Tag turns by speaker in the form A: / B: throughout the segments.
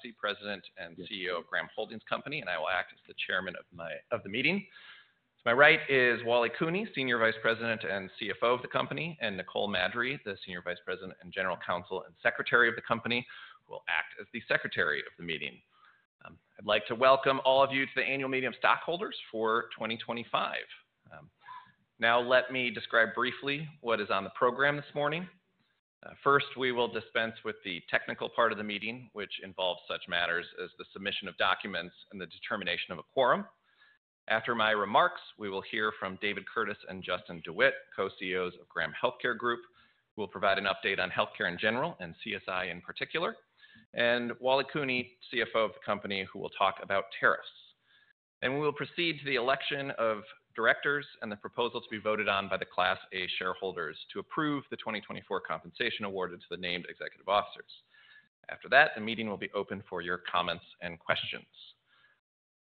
A: I see President and CEO Graham Holdings Company, and I will act as the Chairman of the meeting. To my right is Wally Cooney, Senior Vice President and CFO of the Company, and Nicole Maddrey, the Senior Vice President and General Counsel and Secretary of the Company, who will act as the Secretary of the meeting. I'd like to welcome all of you to the Annual Meeting of Stockholders for 2025. Now, let me describe briefly what is on the program this morning. First, we will dispense with the technical part of the meeting, which involves such matters as the submission of documents and the determination of a quorum. After my remarks, we will hear from David Curtis and Justin DeWitte, Co-CEOs of Graham Healthcare Group, who will provide an update on healthcare in general and CSI in particular, and Wally Cooney, CFO of the Company, who will talk about tariffs. We will proceed to the election of directors and the proposal to be voted on by the Class A shareholders to approve the 2024 compensation awarded to the named executive officers. After that, the meeting will be open for your comments and questions.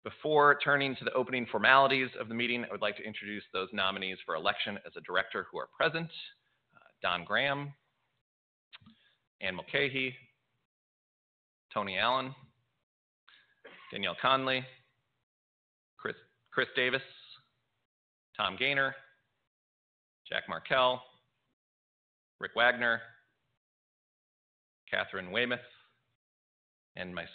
A: Before turning to the opening formalities of the meeting, I would like to introduce those nominees for election as a director who are present: Don Graham, Anne Mulcahy, Tony Allen, Danielle Conley, Chris Davis, Tom Gaynor, Jack Markell, Rick Wagner, Catherine Weymouth, and myself.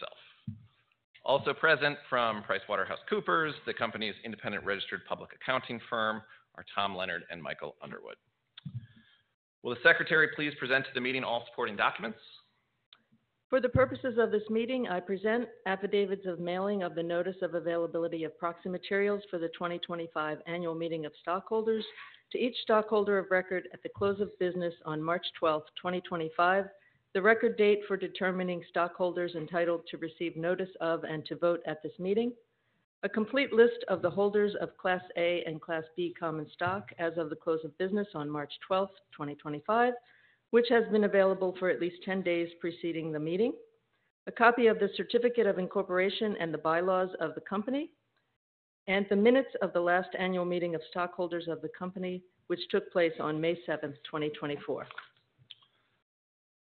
A: Also present from PricewaterhouseCoopers, the Company's independent registered public accounting firm, are Tom Leonard and Michael Underwood. Will the Secretary please present to the meeting all supporting documents?
B: For the purposes of this meeting, I present affidavits of mailing of the Notice of Availability of Proxy Materials for the 2025 Annual Meeting of Stockholders to each stockholder of record at the close of business on March 12, 2025, the record date for determining stockholders entitled to receive notice of and to vote at this meeting, a complete list of the holders of Class A and Class B common stock as of the close of business on March 12, 2025, which has been available for at least 10 days preceding the meeting, a copy of the Certificate of Incorporation and the bylaws of the Company, and the minutes of the last Annual Meeting of Stockholders of the Company, which took place on May 7, 2024.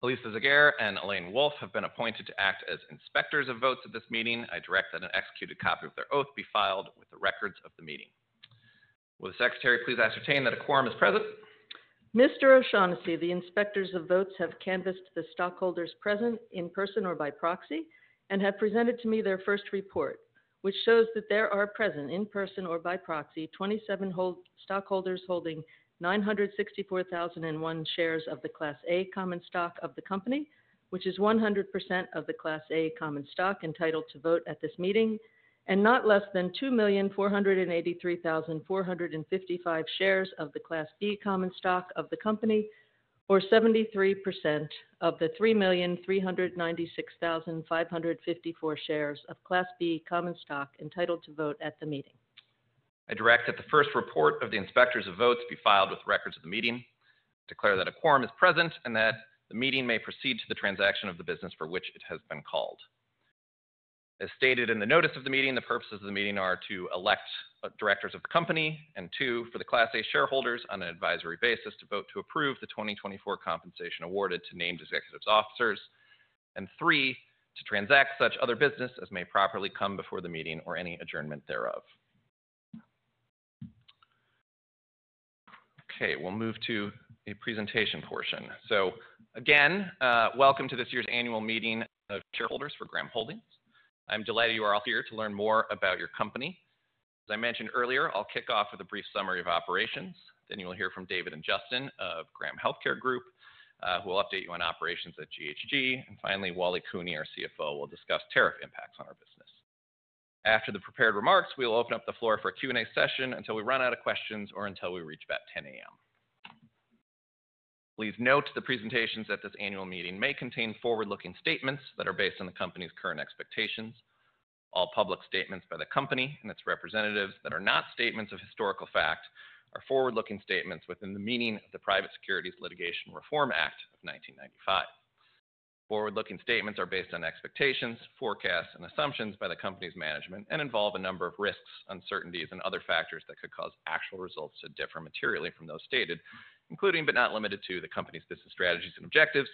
A: Elise Lezeguer and Elaine Wolfe have been appointed to act as inspectors of votes at this meeting. I direct that an executed copy of their oath be filed with the records of the meeting. Will the Secretary please ascertain that a quorum is present?
B: Mr. O'Shaughnessy, the inspectors of votes have canvassed the stockholders present in person or by proxy and have presented to me their first report, which shows that there are present in person or by proxy 27 stockholders holding 964,001 shares of the Class A common stock of the Company, which is 100% of the Class A common stock entitled to vote at this meeting, and not less than 2,483,455 shares of the Class B common stock of the Company, or 73% of the 3,396,554 shares of Class B common stock entitled to vote at the meeting.
A: I direct that the first report of the inspectors of votes be filed with the records of the meeting. I declare that a quorum is present and that the meeting may proceed to the transaction of the business for which it has been called. As stated in the notice of the meeting, the purposes of the meeting are to elect directors of the Company and, two, for the Class A shareholders on an advisory basis to vote to approve the 2024 compensation awarded to named executive officers and, three, to transact such other business as may properly come before the meeting or any adjournment thereof. Okay, we'll move to a presentation portion. Again, welcome to this year's Annual Meeting of Shareholders for Graham Holdings. I'm delighted you are all here to learn more about your company. As I mentioned earlier, I'll kick off with a brief summary of operations. You will hear from David and Justin of Graham Healthcare Group, who will update you on operations at GHG. Finally, Wally Cooney, our CFO, will discuss tariff impacts on our business. After the prepared remarks, we will open up the floor for a Q&A session until we run out of questions or until we reach about 10:00 A.M. Please note the presentations at this Annual Meeting may contain forward-looking statements that are based on the Company's current expectations. All public statements by the Company and its representatives that are not statements of historical fact are forward-looking statements within the meaning of the Private Securities Litigation Reform Act of 1995. Forward-looking statements are based on expectations, forecasts, and assumptions by the Company's management and involve a number of risks, uncertainties, and other factors that could cause actual results to differ materially from those stated, including but not limited to the Company's business strategies and objectives,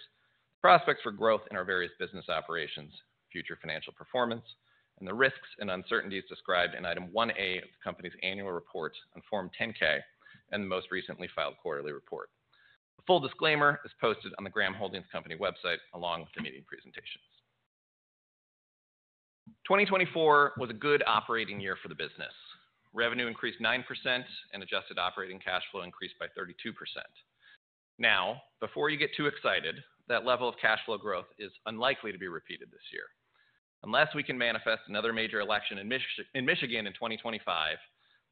A: prospects for growth in our various business operations, future financial performance, and the risks and uncertainties described in Item 1A of the Company's Annual Report on Form 10-K and the most recently filed quarterly report. A full disclaimer is posted on the Graham Holdings Company website along with the meeting presentations. 2024 was a good operating year for the business. Revenue increased 9% and adjusted operating cash flow increased by 32%. Now, before you get too excited, that level of cash flow growth is unlikely to be repeated this year. Unless we can manifest another major election in Michigan in 2025,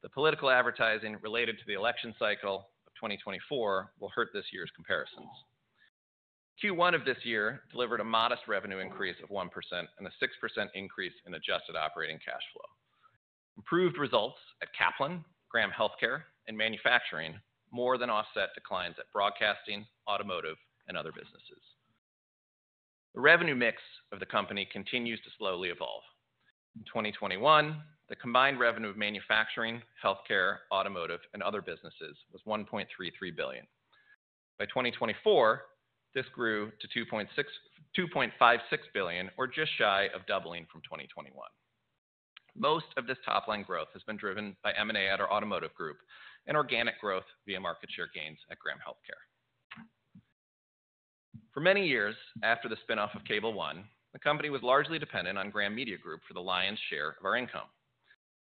A: the political advertising related to the election cycle of 2024 will hurt this year's comparisons. Q1 of this year delivered a modest revenue increase of 1% and a 6% increase in adjusted operating cash flow. Improved results at Kaplan, Graham Healthcare, and manufacturing more than offset declines at broadcasting, automotive, and other businesses. The revenue mix of the Company continues to slowly evolve. In 2021, the combined revenue of manufacturing, healthcare, automotive, and other businesses was $1.33 billion. By 2024, this grew to $2.56 billion, or just shy of doubling from 2021. Most of this top-line growth has been driven by M&A at our automotive group and organic growth via market share gains at Graham Healthcare. For many years after the spinoff of Cable ONE, the Company was largely dependent on Graham Media Group for the lion's share of our income.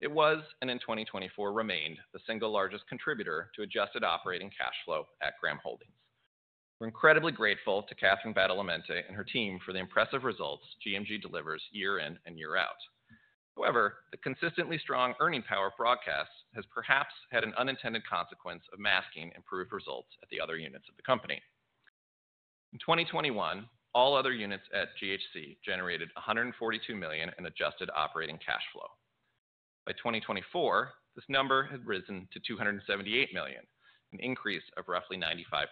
A: It was and in 2024 remained the single largest contributor to adjusted operating cash flow at Graham Holdings. We're incredibly grateful to Catherine Badalamente and her team for the impressive results GMG delivers year in and year out. However, the consistently strong earning power of broadcasts has perhaps had an unintended consequence of masking improved results at the other units of the Company. In 2021, all other units at GHC generated $142 million in adjusted operating cash flow. By 2024, this number had risen to $278 million, an increase of roughly 95%.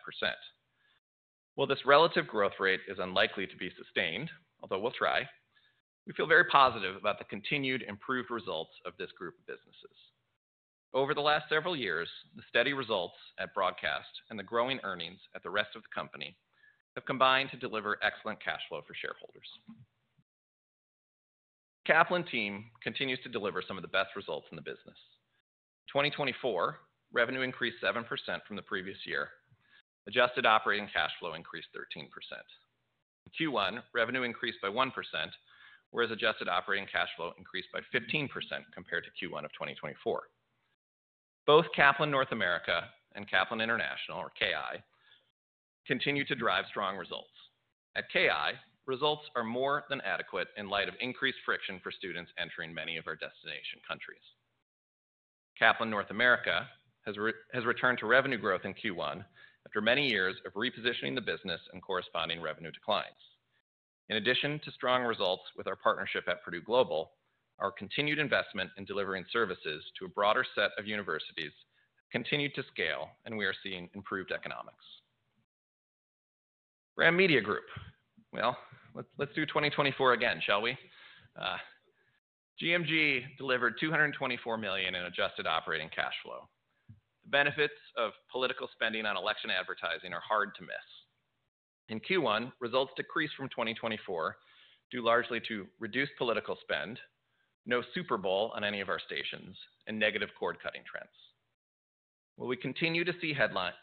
A: While this relative growth rate is unlikely to be sustained, although we'll try, we feel very positive about the continued improved results of this group of businesses. Over the last several years, the steady results at broadcast and the growing earnings at the rest of the Company have combined to deliver excellent cash flow for shareholders. The Kaplan team continues to deliver some of the best results in the business. In 2024, revenue increased 7% from the previous year. Adjusted operating cash flow increased 13%. In Q1, revenue increased by 1%, whereas adjusted operating cash flow increased by 15% compared to Q1 of 2024. Both Kaplan North America and Kaplan International, or KI, continue to drive strong results. At KI, results are more than adequate in light of increased friction for students entering many of our destination countries. Kaplan North America has returned to revenue growth in Q1 after many years of repositioning the business and corresponding revenue declines. In addition to strong results with our partnership at Purdue University Global, our continued investment in delivering services to a broader set of universities has continued to scale, and we are seeing improved economics. Graham Media Group, let's do 2024 again, shall we? GMG delivered $224 million in adjusted operating cash flow. The benefits of political spending on election advertising are hard to miss. In Q1, results decreased from 2024 due largely to reduced political spend, no Super Bowl on any of our stations, and negative cord-cutting trends. While we continue to see headwinds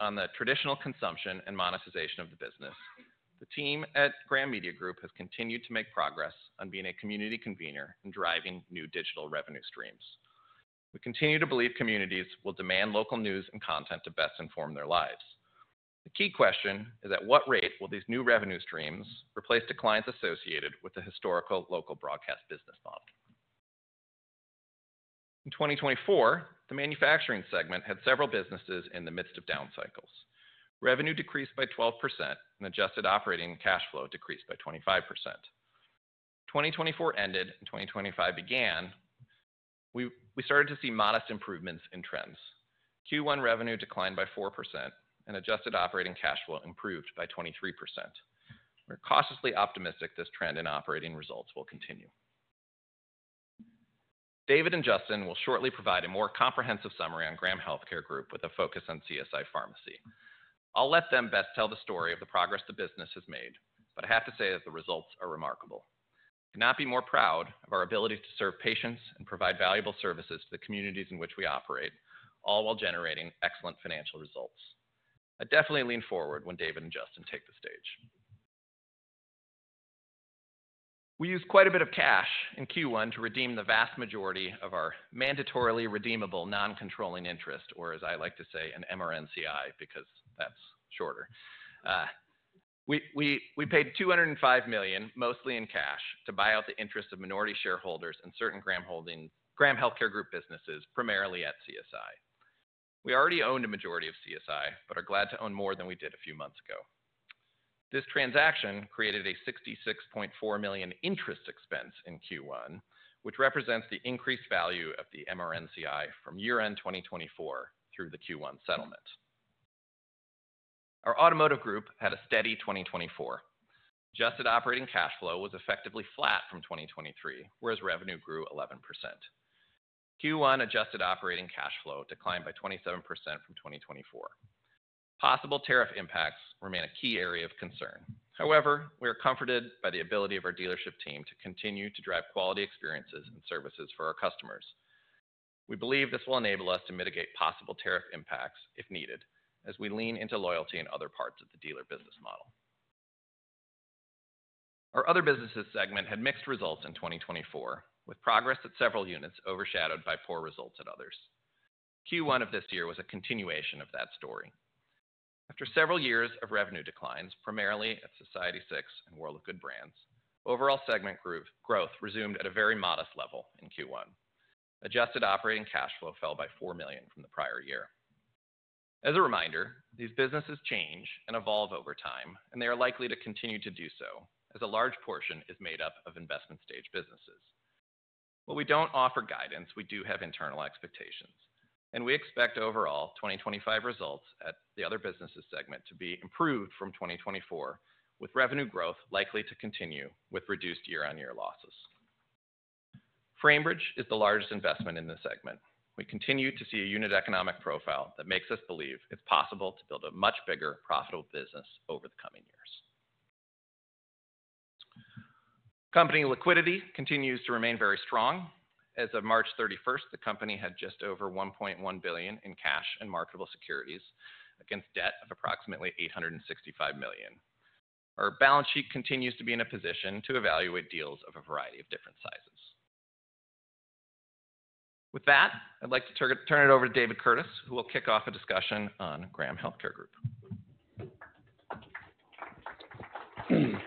A: on the traditional consumption and monetization of the business, the team at Graham Media Group has continued to make progress on being a community convener and driving new digital revenue streams. We continue to believe communities will demand local news and content to best inform their lives. The key question is at what rate will these new revenue streams replace declines associated with the historical local broadcast business model? In 2024, the manufacturing segment had several businesses in the midst of down cycles. Revenue decreased by 12% and adjusted operating cash flow decreased by 25%. 2024 ended and 2025 began. We started to see modest improvements in trends. Q1 revenue declined by 4% and adjusted operating cash flow improved by 23%. We're cautiously optimistic this trend in operating results will continue. David and Justin will shortly provide a more comprehensive summary on Graham Healthcare Group with a focus on CSI Pharmacy. I'll let them best tell the story of the progress the business has made, but I have to say that the results are remarkable. I cannot be more proud of our ability to serve patients and provide valuable services to the communities in which we operate, all while generating excellent financial results. I definitely lean forward when David and Justin take the stage. We used quite a bit of cash in Q1 to redeem the vast majority of our mandatorily redeemable non-controlling interest, or as I like to say, an MRNCI, because that is shorter. We paid $205 million, mostly in cash, to buy out the interest of minority shareholders in certain Graham Healthcare Group businesses, primarily at CSI. We already owned a majority of CSI, but are glad to own more than we did a few months ago. This transaction created a $66.4 million interest expense in Q1, which represents the increased value of the MRNCI from year-end 2024 through the Q1 settlement. Our automotive group had a steady 2024. Adjusted operating cash flow was effectively flat from 2023, whereas revenue grew 11%. Q1 adjusted operating cash flow declined by 27% from 2024. Possible tariff impacts remain a key area of concern. However, we are comforted by the ability of our dealership team to continue to drive quality experiences and services for our customers. We believe this will enable us to mitigate possible tariff impacts if needed as we lean into loyalty in other parts of the dealer business model. Our other businesses segment had mixed results in 2024, with progress at several units overshadowed by poor results at others. Q1 of this year was a continuation of that story. After several years of revenue declines, primarily at Society6 and World of Good Brands, overall segment growth resumed at a very modest level in Q1. Adjusted operating cash flow fell by $4 million from the prior year. As a reminder, these businesses change and evolve over time, and they are likely to continue to do so as a large portion is made up of investment-stage businesses. While we don't offer guidance, we do have internal expectations, and we expect overall 2025 results at the other businesses segment to be improved from 2024, with revenue growth likely to continue with reduced year-on-year losses. Framebridge is the largest investment in the segment. We continue to see a unit economic profile that makes us believe it's possible to build a much bigger, profitable business over the coming years. Company liquidity continues to remain very strong. As of March 31, the Company had just over $1.1 billion in cash and marketable securities against debt of approximately $865 million. Our balance sheet continues to be in a position to evaluate deals of a variety of different sizes. With that, I'd like to turn it over to David Curtis, who will kick off a discussion on Graham Healthcare Group.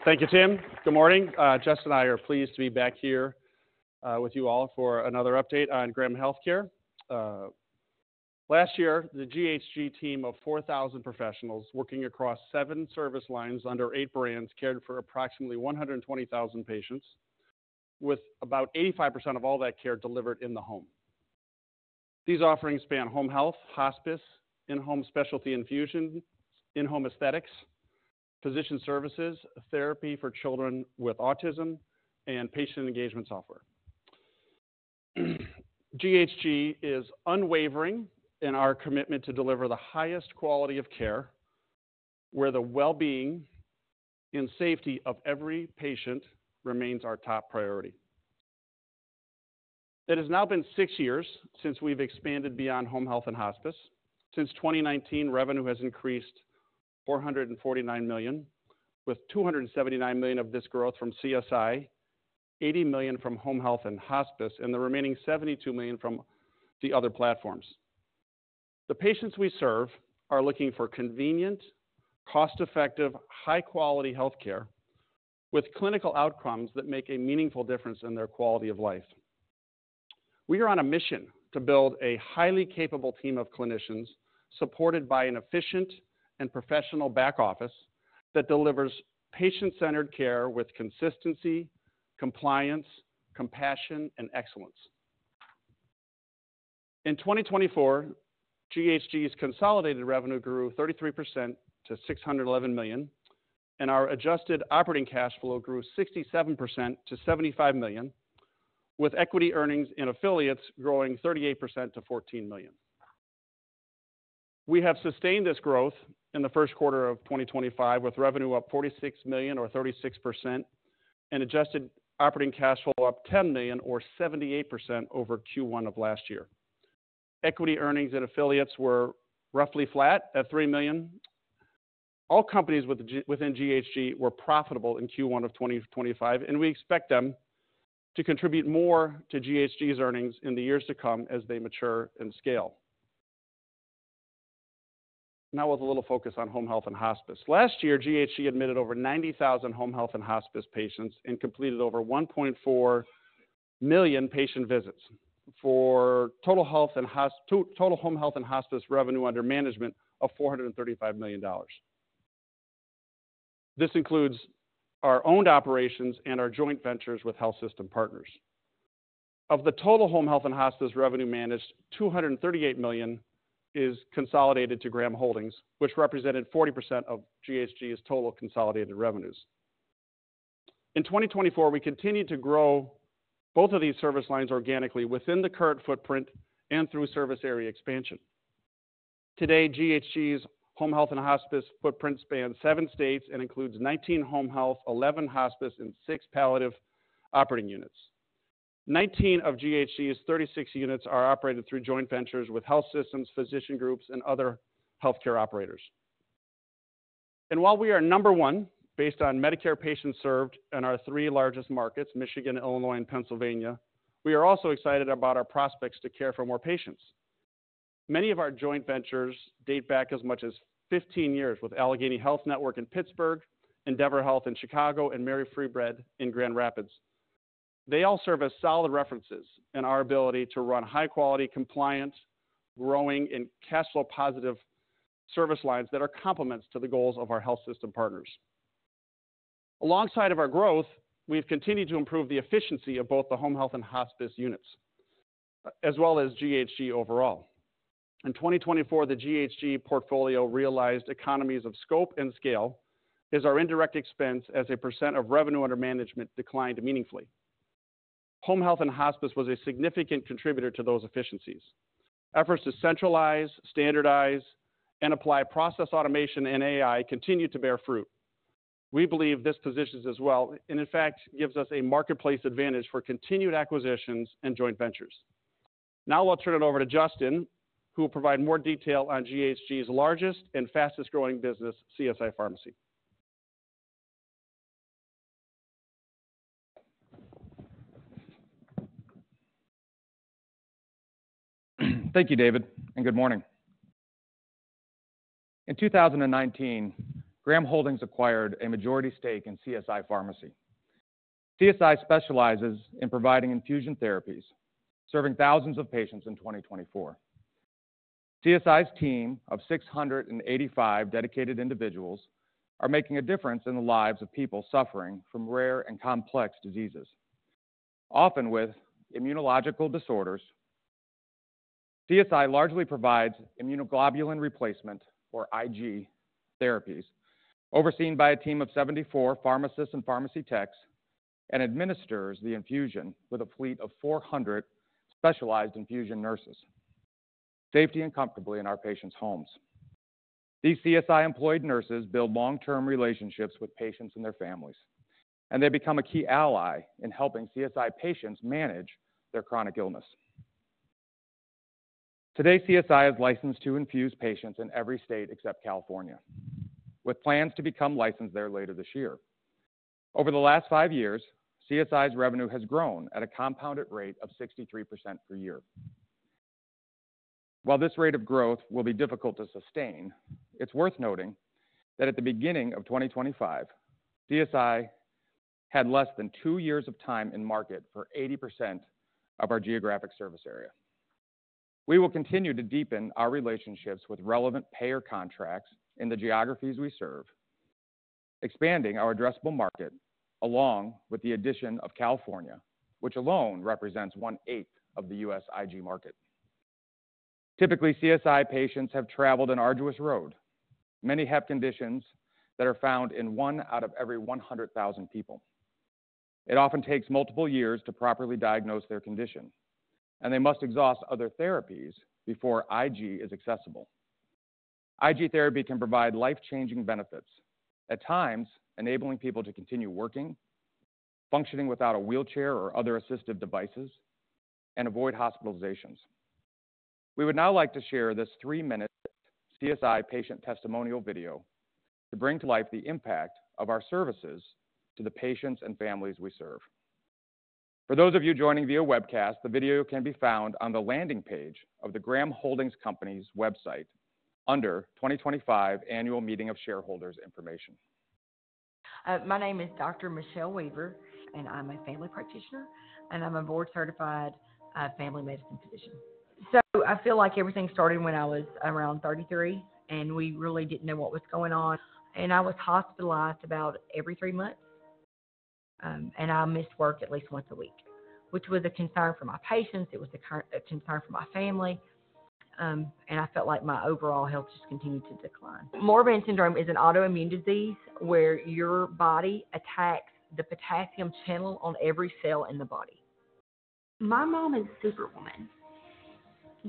C: Thank you, Tim. Good morning. Justin and I are pleased to be back here with you all for another update on Graham Healthcare. Last year, the GHG team of 4,000 professionals working across seven service lines under eight brands cared for approximately 120,000 patients, with about 85% of all that care delivered in the home. These offerings span home health, hospice, in-home specialty infusion, in-home aesthetics, physician services, therapy for children with autism, and patient engagement software. GHG is unwavering in our commitment to deliver the highest quality of care, where the well-being and safety of every patient remains our top priority. It has now been six years since we've expanded beyond home health and hospice. Since 2019, revenue has increased $449 million, with $279 million of this growth from CSI, $80 million from home health and hospice, and the remaining $72 million from the other platforms. The patients we serve are looking for convenient, cost-effective, high-quality healthcare with clinical outcomes that make a meaningful difference in their quality of life. We are on a mission to build a highly capable team of clinicians supported by an efficient and professional back office that delivers patient-centered care with consistency, compliance, compassion, and excellence. In 2024, GHG's consolidated revenue grew 33% to $611 million, and our adjusted operating cash flow grew 67% to $75 million, with equity earnings and affiliates growing 38% to $14 million. We have sustained this growth in the first quarter of 2025, with revenue up $46 million, or 36%, and adjusted operating cash flow up $10 million, or 78%, over Q1 of last year. Equity earnings and affiliates were roughly flat at $3 million. All companies within GHG were profitable in Q1 of 2025, and we expect them to contribute more to GHG's earnings in the years to come as they mature and scale. Now, with a little focus on home health and hospice. Last year, GHG admitted over 90,000 home health and hospice patients and completed over 1.4 million patient visits for total home health and hospice revenue under management of $435 million. This includes our owned operations and our joint ventures with health system partners. Of the total home health and hospice revenue managed, $238 million is consolidated to Graham Holdings, which represented 40% of GHG's total consolidated revenues. In 2024, we continued to grow both of these service lines organically within the current footprint and through service area expansion. Today, GHG's home health and hospice footprint spans seven states and includes 19 home health, 11 hospice, and six palliative operating units. Nineteen of GHG's thirty-six units are operated through joint ventures with health systems, physician groups, and other healthcare operators. While we are number one based on Medicare patients served in our three largest markets, Michigan, Illinois, and Pennsylvania, we are also excited about our prospects to care for more patients. Many of our joint ventures date back as much as fifteen years with Allegheny Health Network in Pittsburgh, Endeavor Health in Chicago, and Mary Free Bed in Grand Rapids. They all serve as solid references in our ability to run high-quality, compliant, growing, and cash flow positive service lines that are complements to the goals of our health system partners. Alongside our growth, we have continued to improve the efficiency of both the home health and hospice units, as well as GHG overall. In 2024, the GHG portfolio realized economies of scope and scale as our indirect expense as a % of revenue under management declined meaningfully. Home health and hospice was a significant contributor to those efficiencies. Efforts to centralize, standardize, and apply process automation and AI continue to bear fruit. We believe this positions us well and, in fact, gives us a marketplace advantage for continued acquisitions and joint ventures. Now, I'll turn it over to Justin, who will provide more detail on GHG's largest and fastest-growing business, CSI Pharmacy.
D: Thank you, David, and good morning. In 2019, Graham Holdings acquired a majority stake in CSI Pharmacy. CSI specializes in providing infusion therapies, serving thousands of patients in 2024. CSI's team of 685 dedicated individuals are making a difference in the lives of people suffering from rare and complex diseases, often with immunological disorders. CSI largely provides immunoglobulin replacement, or IG, therapies, overseen by a team of 74 pharmacists and pharmacy techs, and administers the infusion with a fleet of 400 specialized infusion nurses, safely and comfortably in our patients' homes. These CSI-employed nurses build long-term relationships with patients and their families, and they become a key ally in helping CSI patients manage their chronic illness. Today, CSI is licensed to infuse patients in every state except California, with plans to become licensed there later this year. Over the last five years, CSI's revenue has grown at a compounded rate of 63% per year. While this rate of growth will be difficult to sustain, it's worth noting that at the beginning of 2025, CSI had less than two years of time in market for 80% of our geographic service area. We will continue to deepen our relationships with relevant payer contracts in the geographies we serve, expanding our addressable market along with the addition of California, which alone represents one-eighth of the U.S. IG market. Typically, CSI patients have traveled an arduous road, many have conditions that are found in one out of every 100,000 people. It often takes multiple years to properly diagnose their condition, and they must exhaust other therapies before IG is accessible. IG therapy can provide life-changing benefits, at times enabling people to continue working, functioning without a wheelchair or other assistive devices, and avoid hospitalizations. We would now like to share this three-minute CSI patient testimonial video to bring to life the impact of our services to the patients and families we serve. For those of you joining via webcast, the video can be found on the landing page of the Graham Holdings Company's website under 2025 Annual Meeting of Shareholders Information.
E: My name is Dr. Michelle Weaver, and I'm a family practitioner, and I'm a board-certified family medicine physician. I feel like everything started when I was around 33, and we really didn't know what was going on. I was hospitalized about every three months, and I missed work at least once a week, which was a concern for my patients. It was a concern for my family, and I felt like my overall health just continued to decline. Morbin syndrome is an autoimmune disease where your body attacks the potassium channel on every cell in the body.
F: My mom is Superwoman.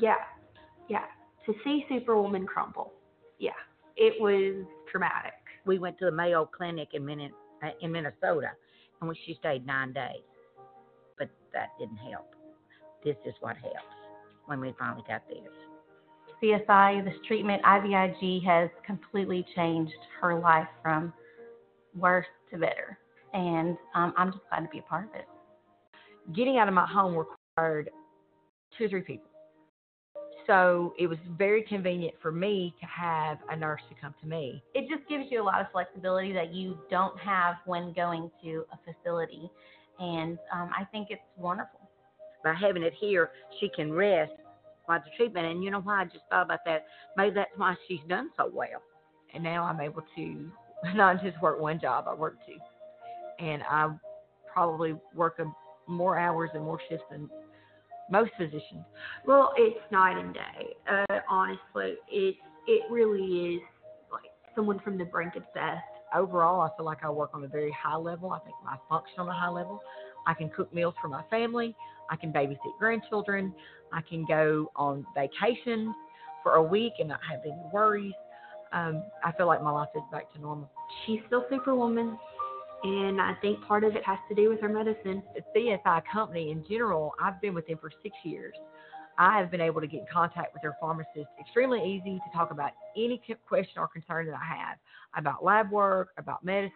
F: Yeah, yeah. To see Superwoman crumble, yeah, it was traumatic.
E: We went to the Mayo Clinic in Minnesota, and she stayed nine days, but that did not help. This is what helps when we finally got this.
F: CSI, this treatment, IVIG, has completely changed her life from worse to better, and I'm just glad to be a part of it.
E: Getting out of my home required two or three people, so it was very convenient for me to have a nurse who come to me.
F: It just gives you a lot of flexibility that you don't have when going to a facility, and I think it's wonderful.
E: By having it here, she can rest while the treatment, and you know why? I just thought about that. Maybe that's why she's done so well. Now I'm able to not just work one job; I work two, and I probably work more hours and more shifts than most physicians.
F: It's night and day. Honestly, it really is like someone from the brink of death.
E: Overall, I feel like I work on a very high level. I think my function is on a high level. I can cook meals for my family. I can babysit grandchildren. I can go on vacation for a week and not have any worries. I feel like my life is back to normal.
F: She's still Superwoman, and I think part of it has to do with her medicine.
E: The CSI company, in general, I've been with them for six years. I have been able to get in contact with their pharmacist. Extremely easy to talk about any question or concern that I have about lab work, about medicine.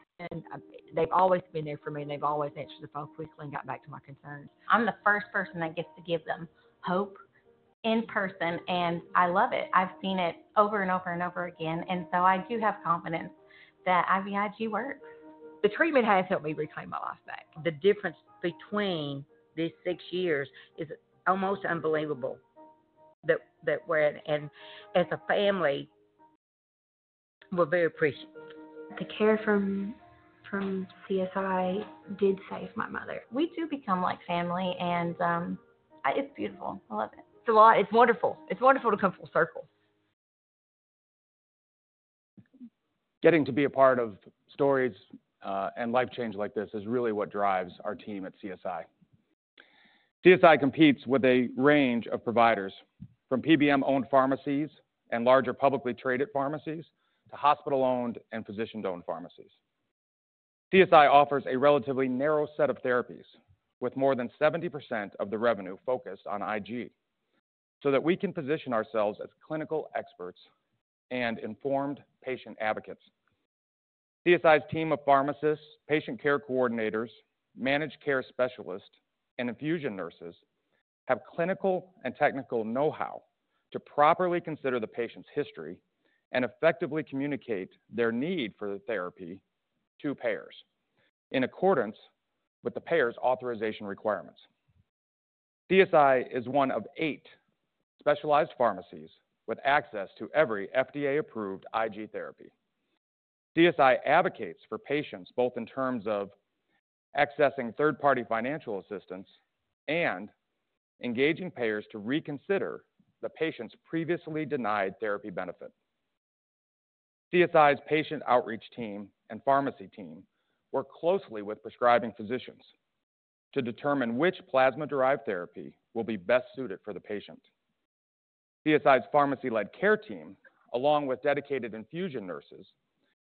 E: They've always been there for me, and they've always answered the phone quickly and got back to my concerns.
F: I'm the first person that gets to give them hope in person, and I love it. I've seen it over and over and over again, and so I do have confidence that IVIG works.
E: The treatment has helped me reclaim my life back. The difference between these six years is almost unbelievable that we're in, and as a family, we're very appreciative.
F: The care from CSI did save my mother. We do become like family, and it's beautiful. I love it.
E: It's a lot. It's wonderful. It's wonderful to come full circle.
D: Getting to be a part of stories and life change like this is really what drives our team at CSI. CSI competes with a range of providers, from PBM-owned pharmacies and larger publicly traded pharmacies to hospital-owned and physician-owned pharmacies. CSI offers a relatively narrow set of therapies, with more than 70% of the revenue focused on IG, so that we can position ourselves as clinical experts and informed patient advocates. CSI's team of pharmacists, patient care coordinators, managed care specialists, and infusion nurses have clinical and technical know-how to properly consider the patient's history and effectively communicate their need for the therapy to payers in accordance with the payer's authorization requirements. CSI is one of eight specialized pharmacies with access to every FDA-approved IG therapy. CSI advocates for patients both in terms of accessing third-party financial assistance and engaging payers to reconsider the patient's previously denied therapy benefit. CSI's patient outreach team and pharmacy team work closely with prescribing physicians to determine which plasma-derived therapy will be best suited for the patient. CSI's pharmacy-led care team, along with dedicated infusion nurses,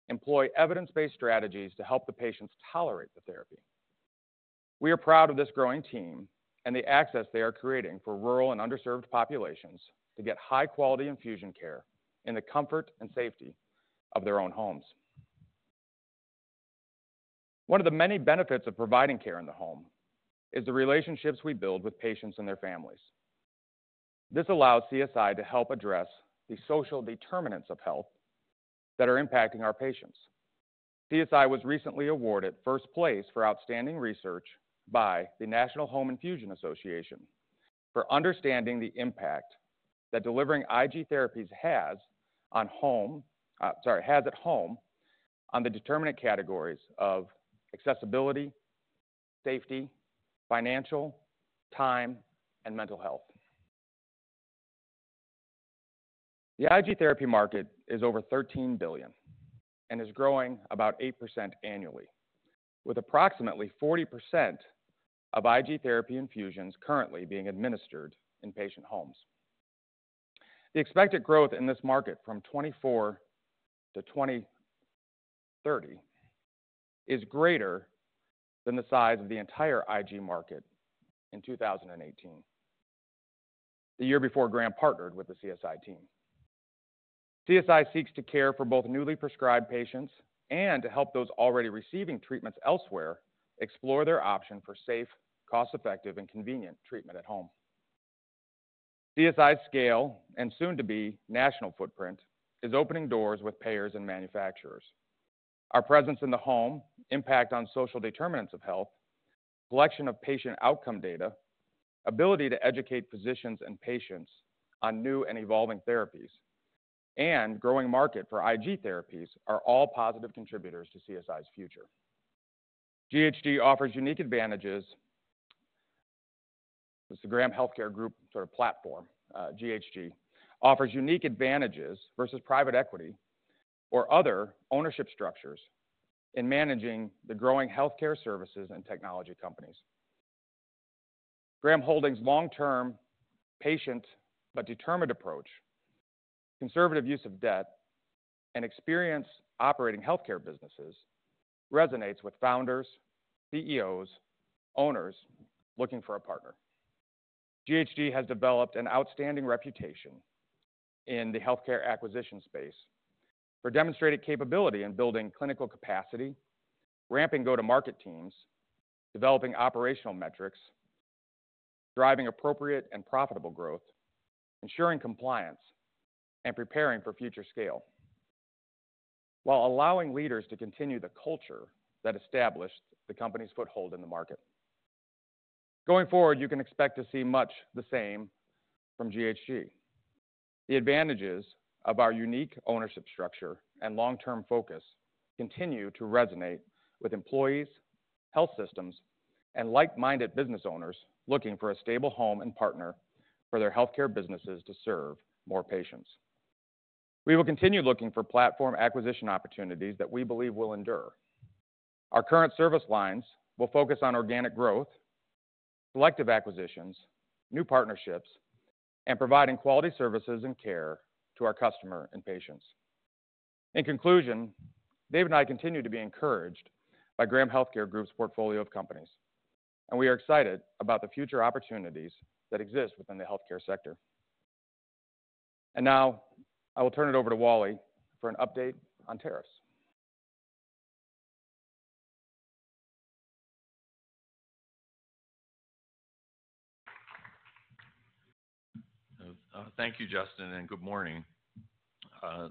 D: employ evidence-based strategies to help the patients tolerate the therapy. We are proud of this growing team and the access they are creating for rural and underserved populations to get high-quality infusion care in the comfort and safety of their own homes. One of the many benefits of providing care in the home is the relationships we build with patients and their families. This allows CSI to help address the social determinants of health that are impacting our patients. CSI was recently awarded first place for outstanding research by the National Home Infusion Association for understanding the impact that delivering IG therapies has at home on the determinant categories of accessibility, safety, financial, time, and mental health. The IG therapy market is over $13 billion and is growing about 8% annually, with approximately 40% of IG therapy infusions currently being administered in patient homes. The expected growth in this market from 2024 to 2030 is greater than the size of the entire IG market in 2018, the year before Graham partnered with the CSI team. CSI seeks to care for both newly prescribed patients and to help those already receiving treatments elsewhere explore their option for safe, cost-effective, and convenient treatment at home. CSI's scale and soon-to-be national footprint is opening doors with payers and manufacturers. Our presence in the home, impact on social determinants of health, collection of patient outcome data, ability to educate physicians and patients on new and evolving therapies, and growing market for IG therapies are all positive contributors to CSI's future. GHG offers unique advantages. This is the Graham Healthcare Group sort of platform. GHG offers unique advantages versus private equity or other ownership structures in managing the growing healthcare services and technology companies. Graham Holdings' long-term patient but determined approach, conservative use of debt, and experience operating healthcare businesses resonates with founders, CEOs, owners looking for a partner. GHG has developed an outstanding reputation in the healthcare acquisition space for demonstrated capability in building clinical capacity, ramping go-to-market teams, developing operational metrics, driving appropriate and profitable growth, ensuring compliance, and preparing for future scale, while allowing leaders to continue the culture that established the company's foothold in the market. Going forward, you can expect to see much the same from GHG. The advantages of our unique ownership structure and long-term focus continue to resonate with employees, health systems, and like-minded business owners looking for a stable home and partner for their healthcare businesses to serve more patients. We will continue looking for platform acquisition opportunities that we believe will endure. Our current service lines will focus on organic growth, selective acquisitions, new partnerships, and providing quality services and care to our customer and patients. In conclusion, Dave and I continue to be encouraged by Graham Healthcare Group's portfolio of companies, and we are excited about the future opportunities that exist within the healthcare sector. I will now turn it over to Wally for an update on tariffs.
G: Thank you, Justin, and good morning.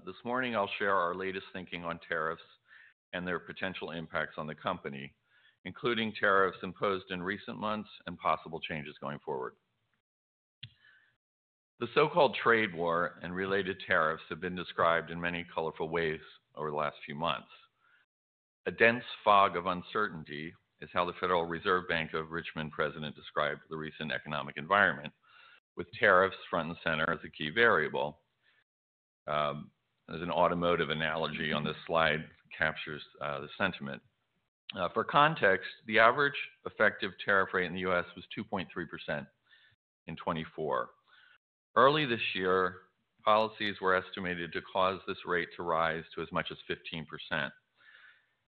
G: This morning, I'll share our latest thinking on tariffs and their potential impacts on the company, including tariffs imposed in recent months and possible changes going forward. The so-called trade war and related tariffs have been described in many colorful ways over the last few months. A dense fog of uncertainty is how the Federal Reserve Bank of Richmond President described the recent economic environment, with tariffs front and center as a key variable. There's an automotive analogy on this slide that captures the sentiment. For context, the average effective tariff rate in the U.S. was 2.3% in 2024. Early this year, policies were estimated to cause this rate to rise to as much as 15%.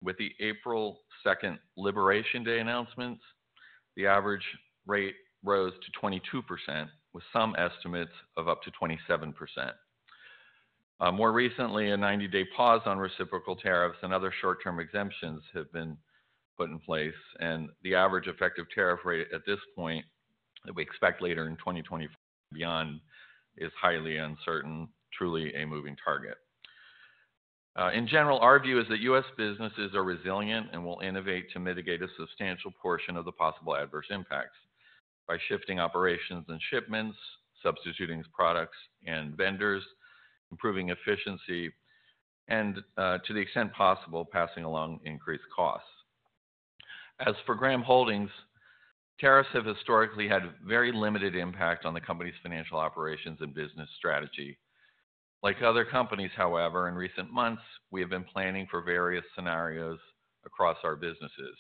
G: With the April 2 Liberation Day announcements, the average rate rose to 22%, with some estimates of up to 27%. More recently, a 90-day pause on reciprocal tariffs and other short-term exemptions have been put in place, and the average effective tariff rate at this point that we expect later in 2024 and beyond is highly uncertain, truly a moving target. In general, our view is that U.S. businesses are resilient and will innovate to mitigate a substantial portion of the possible adverse impacts by shifting operations and shipments, substituting products and vendors, improving efficiency, and, to the extent possible, passing along increased costs. As for Graham Holdings, tariffs have historically had very limited impact on the company's financial operations and business strategy. Like other companies, however, in recent months, we have been planning for various scenarios across our businesses.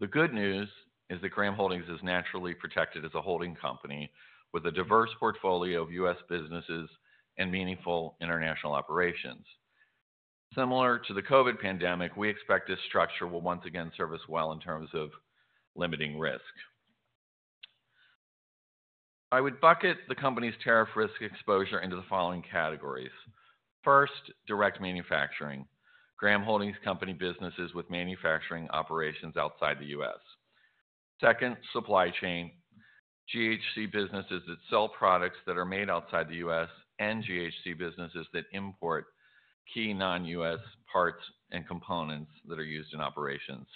G: The good news is that Graham Holdings is naturally protected as a holding company with a diverse portfolio of U.S. businesses and meaningful international operations. Similar to the COVID pandemic, we expect this structure will once again serve us well in terms of limiting risk. I would bucket the company's tariff risk exposure into the following categories. First, direct manufacturing. Graham Holdings Company businesses with manufacturing operations outside the U.S. Second, supply chain. GHC businesses that sell products that are made outside the U.S. and GHC businesses that import key non-U.S. parts and components that are used in operations.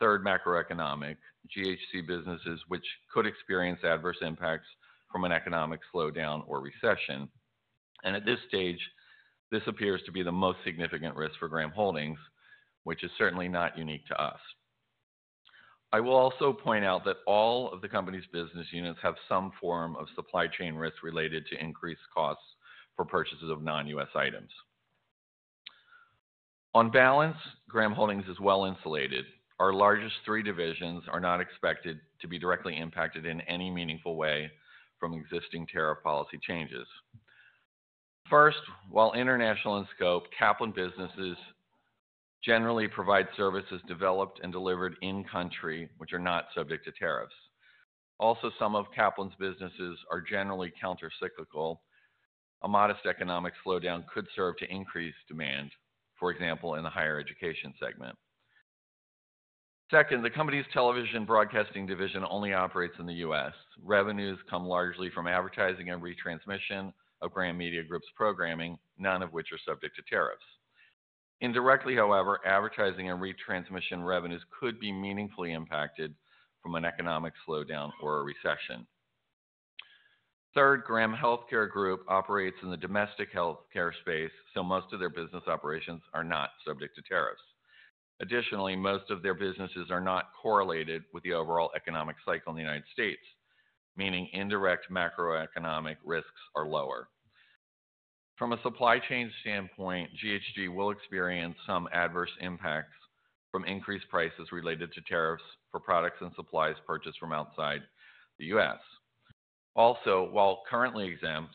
G: Third, macroeconomic. GHC businesses which could experience adverse impacts from an economic slowdown or recession. At this stage, this appears to be the most significant risk for Graham Holdings, which is certainly not unique to us. I will also point out that all of the company's business units have some form of supply chain risk related to increased costs for purchases of non-U.S. items. On balance, Graham Holdings is well insulated. Our largest three divisions are not expected to be directly impacted in any meaningful way from existing tariff policy changes. First, while international in scope, Kaplan businesses generally provide services developed and delivered in-country, which are not subject to tariffs. Also, some of Kaplan's businesses are generally countercyclical. A modest economic slowdown could serve to increase demand, for example, in the higher education segment. Second, the company's television broadcasting division only operates in the U.S. Revenues come largely from advertising and retransmission of Graham Media Group's programming, none of which are subject to tariffs. Indirectly, however, advertising and retransmission revenues could be meaningfully impacted from an economic slowdown or a recession. Third, Graham Healthcare Group operates in the domestic healthcare space, so most of their business operations are not subject to tariffs. Additionally, most of their businesses are not correlated with the overall economic cycle in the U.S., meaning indirect macroeconomic risks are lower. From a supply chain standpoint, GHG will experience some adverse impacts from increased prices related to tariffs for products and supplies purchased from outside the U.S. Also, while currently exempt,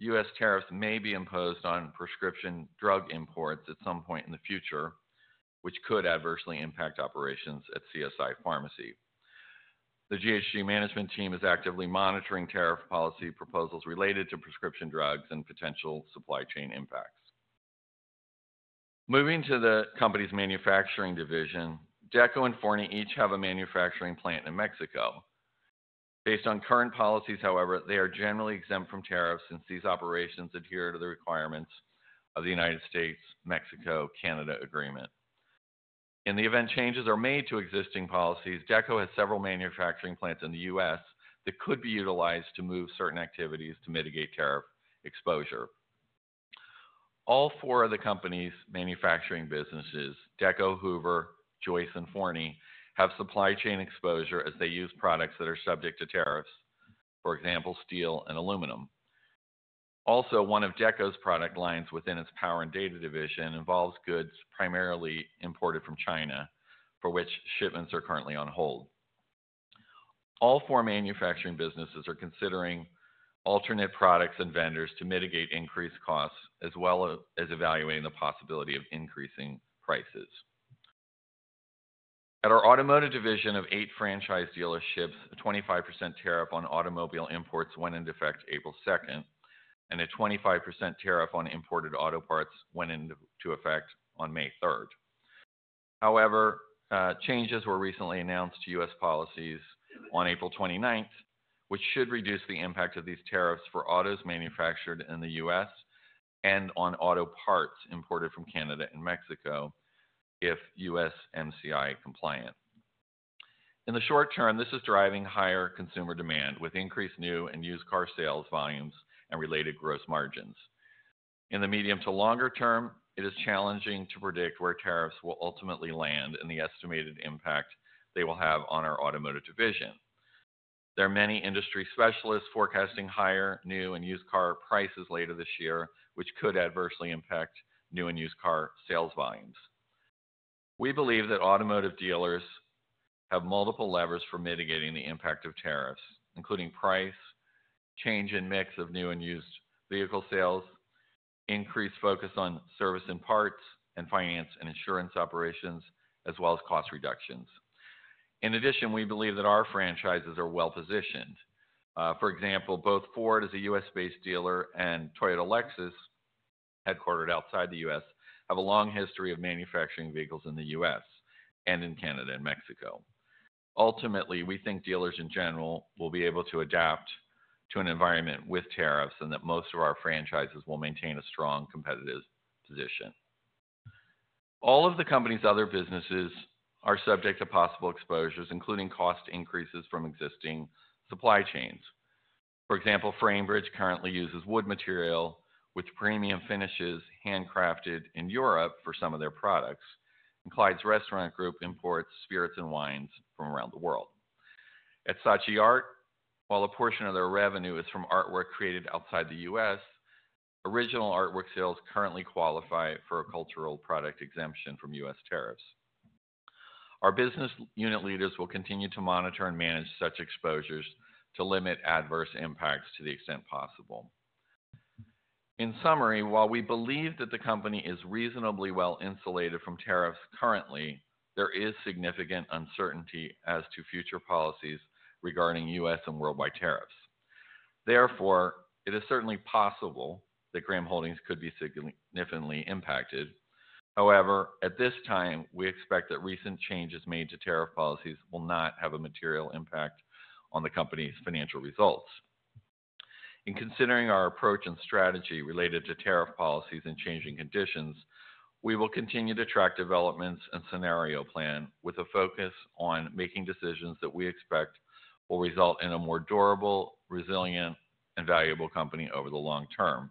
G: U.S. tariffs may be imposed on prescription drug imports at some point in the future, which could adversely impact operations at CSI Pharmacy. The GHG management team is actively monitoring tariff policy proposals related to prescription drugs and potential supply chain impacts. Moving to the company's manufacturing division, Dec-O-Art and Forney each have a manufacturing plant in Mexico. Based on current policies, however, they are generally exempt from tariffs since these operations adhere to the requirements of the United States-Mexico-Canada Agreement. In the event changes are made to existing policies, Dec-O-Art has several manufacturing plants in the U.S. that could be utilized to move certain activities to mitigate tariff exposure. All four of the company's manufacturing businesses, Dec-O-Art, Hoover, Joyce, and Forney, have supply chain exposure as they use products that are subject to tariffs, for example, steel and aluminum. Also, one of Dec-O-Art's product lines within its power and data division involves goods primarily imported from China, for which shipments are currently on hold. All four manufacturing businesses are considering alternate products and vendors to mitigate increased costs as well as evaluating the possibility of increasing prices. At our automotive division of eight franchise dealerships, a 25% tariff on automobile imports went into effect April 2nd, and a 25% tariff on imported auto parts went into effect on May 3rd. However, changes were recently announced to U.S. Policies on April 29th, which should reduce the impact of these tariffs for autos manufactured in the U.S. and on auto parts imported from Canada and Mexico if U.S. MCI compliant. In the short term, this is driving higher consumer demand with increased new and used car sales volumes and related gross margins. In the medium to longer term, it is challenging to predict where tariffs will ultimately land and the estimated impact they will have on our automotive division. There are many industry specialists forecasting higher new and used car prices later this year, which could adversely impact new and used car sales volumes. We believe that automotive dealers have multiple levers for mitigating the impact of tariffs, including price, change in mix of new and used vehicle sales, increased focus on service and parts, and finance and insurance operations, as well as cost reductions. In addition, we believe that our franchises are well-positioned. For example, both Ford, as a U.S.-based dealer, and Toyota Lexus, headquartered outside the U.S., have a long history of manufacturing vehicles in the U.S. and in Canada and Mexico. Ultimately, we think dealers in general will be able to adapt to an environment with tariffs and that most of our franchises will maintain a strong competitive position. All of the company's other businesses are subject to possible exposures, including cost increases from existing supply chains. For example, Framebridge currently uses wood material with premium finishes handcrafted in Europe for some of their products, and Clyde's Restaurant Group imports spirits and wines from around the world. At Saatchi Art, while a portion of their revenue is from artwork created outside the U.S., original artwork sales currently qualify for a cultural product exemption from U.S. tariffs. Our business unit leaders will continue to monitor and manage such exposures to limit adverse impacts to the extent possible. In summary, while we believe that the company is reasonably well insulated from tariffs currently, there is significant uncertainty as to future policies regarding U.S. and worldwide tariffs. Therefore, it is certainly possible that Graham Holdings could be significantly impacted. However, at this time, we expect that recent changes made to tariff policies will not have a material impact on the company's financial results. In considering our approach and strategy related to tariff policies and changing conditions, we will continue to track developments and scenario plan with a focus on making decisions that we expect will result in a more durable, resilient, and valuable company over the long term.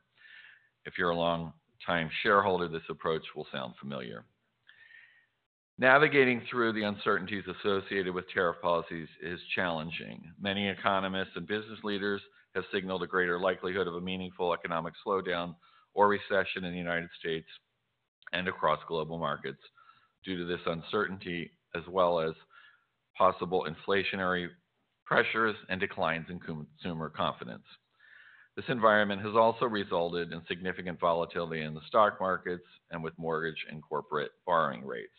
G: If you're a long-time shareholder, this approach will sound familiar. Navigating through the uncertainties associated with tariff policies is challenging. Many economists and business leaders have signaled a greater likelihood of a meaningful economic slowdown or recession in the United States and across global markets due to this uncertainty, as well as possible inflationary pressures and declines in consumer confidence. This environment has also resulted in significant volatility in the stock markets and with mortgage and corporate borrowing rates.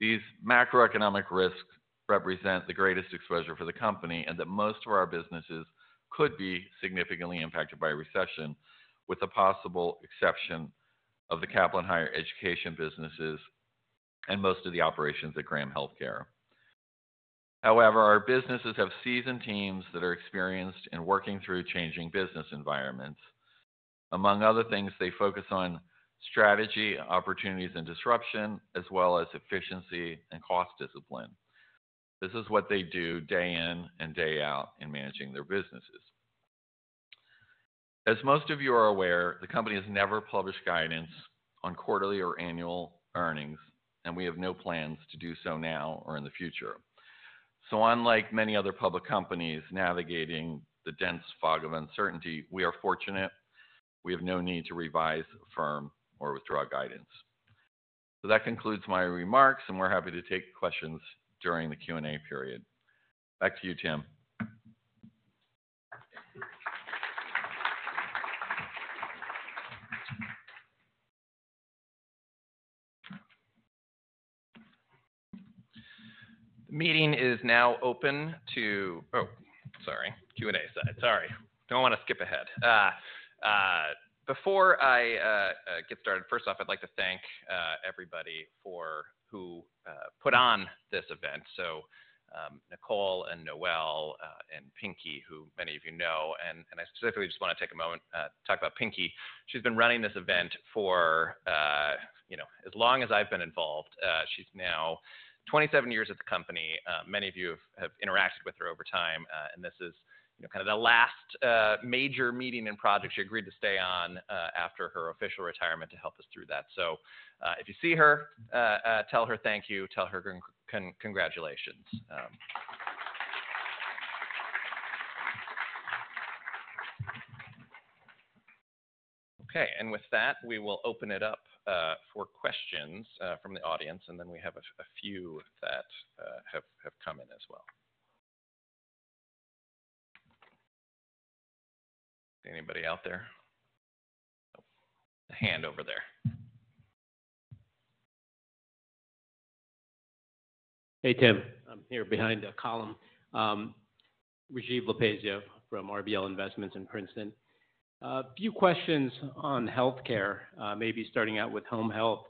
G: These macroeconomic risks represent the greatest exposure for the company and that most of our businesses could be significantly impacted by a recession, with a possible exception of the Kaplan Higher Education businesses and most of the operations at Graham Healthcare. However, our businesses have seasoned teams that are experienced in working through changing business environments. Among other things, they focus on strategy, opportunities, and disruption, as well as efficiency and cost discipline. This is what they do day in and day out in managing their businesses. As most of you are aware, the company has never published guidance on quarterly or annual earnings, and we have no plans to do so now or in the future. Unlike many other public companies navigating the dense fog of uncertainty, we are fortunate. We have no need to revise, firm, or withdraw guidance. That concludes my remarks, and we're happy to take questions during the Q&A period. Back to you, Tim.
A: The meeting is now open to—oh, sorry, Q&A side. Sorry. Do not want to skip ahead. Before I get started, first off, I'd like to thank everybody who put on this event. Nicole and Noelle and Pinky, who many of you know, and I specifically just want to take a moment to talk about Pinky. She's been running this event for as long as I've been involved. She's now 27 years at the company. Many of you have interacted with her over time, and this is kind of the last major meeting and project she agreed to stay on after her official retirement to help us through that. If you see her, tell her thank you. Tell her congratulations. Okay. With that, we will open it up for questions from the audience, and then we have a few that have come in as well. Anybody out there? A hand over there.
H: Hey, Tim. I'm here behind a column. Rajiv Lapazia from RBL Investments in Princeton. A few questions on healthcare, maybe starting out with home health.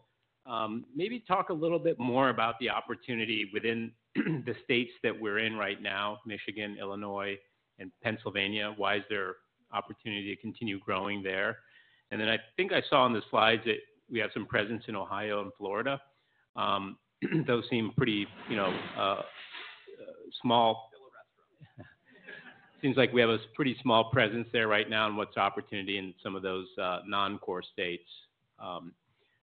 H: Maybe talk a little bit more about the opportunity within the states that we're in right now, Michigan, Illinois, and Pennsylvania. Why is there opportunity to continue growing there? I think I saw on the slides that we have some presence in Ohio and Florida. Those seem pretty small. Seems like we have a pretty small presence there right now in what's opportunity in some of those non-core states.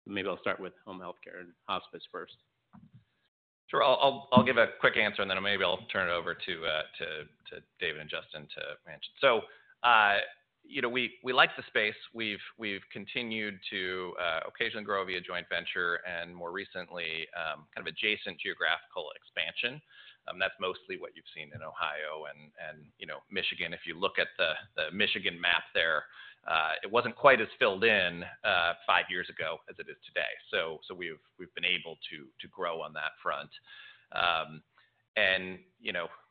H: Maybe I'll start with home healthcare and hospice first. Sure. I'll give a quick answer, and then maybe I'll turn it over to David and Justin to mention. We like the space. We've continued to occasionally grow via joint venture and more recently kind of adjacent geographical expansion. That's mostly what you've seen in Ohio and Michigan. If you look at the Michigan map there, it wasn't quite as filled in five years ago as it is today. We've been able to grow on that front.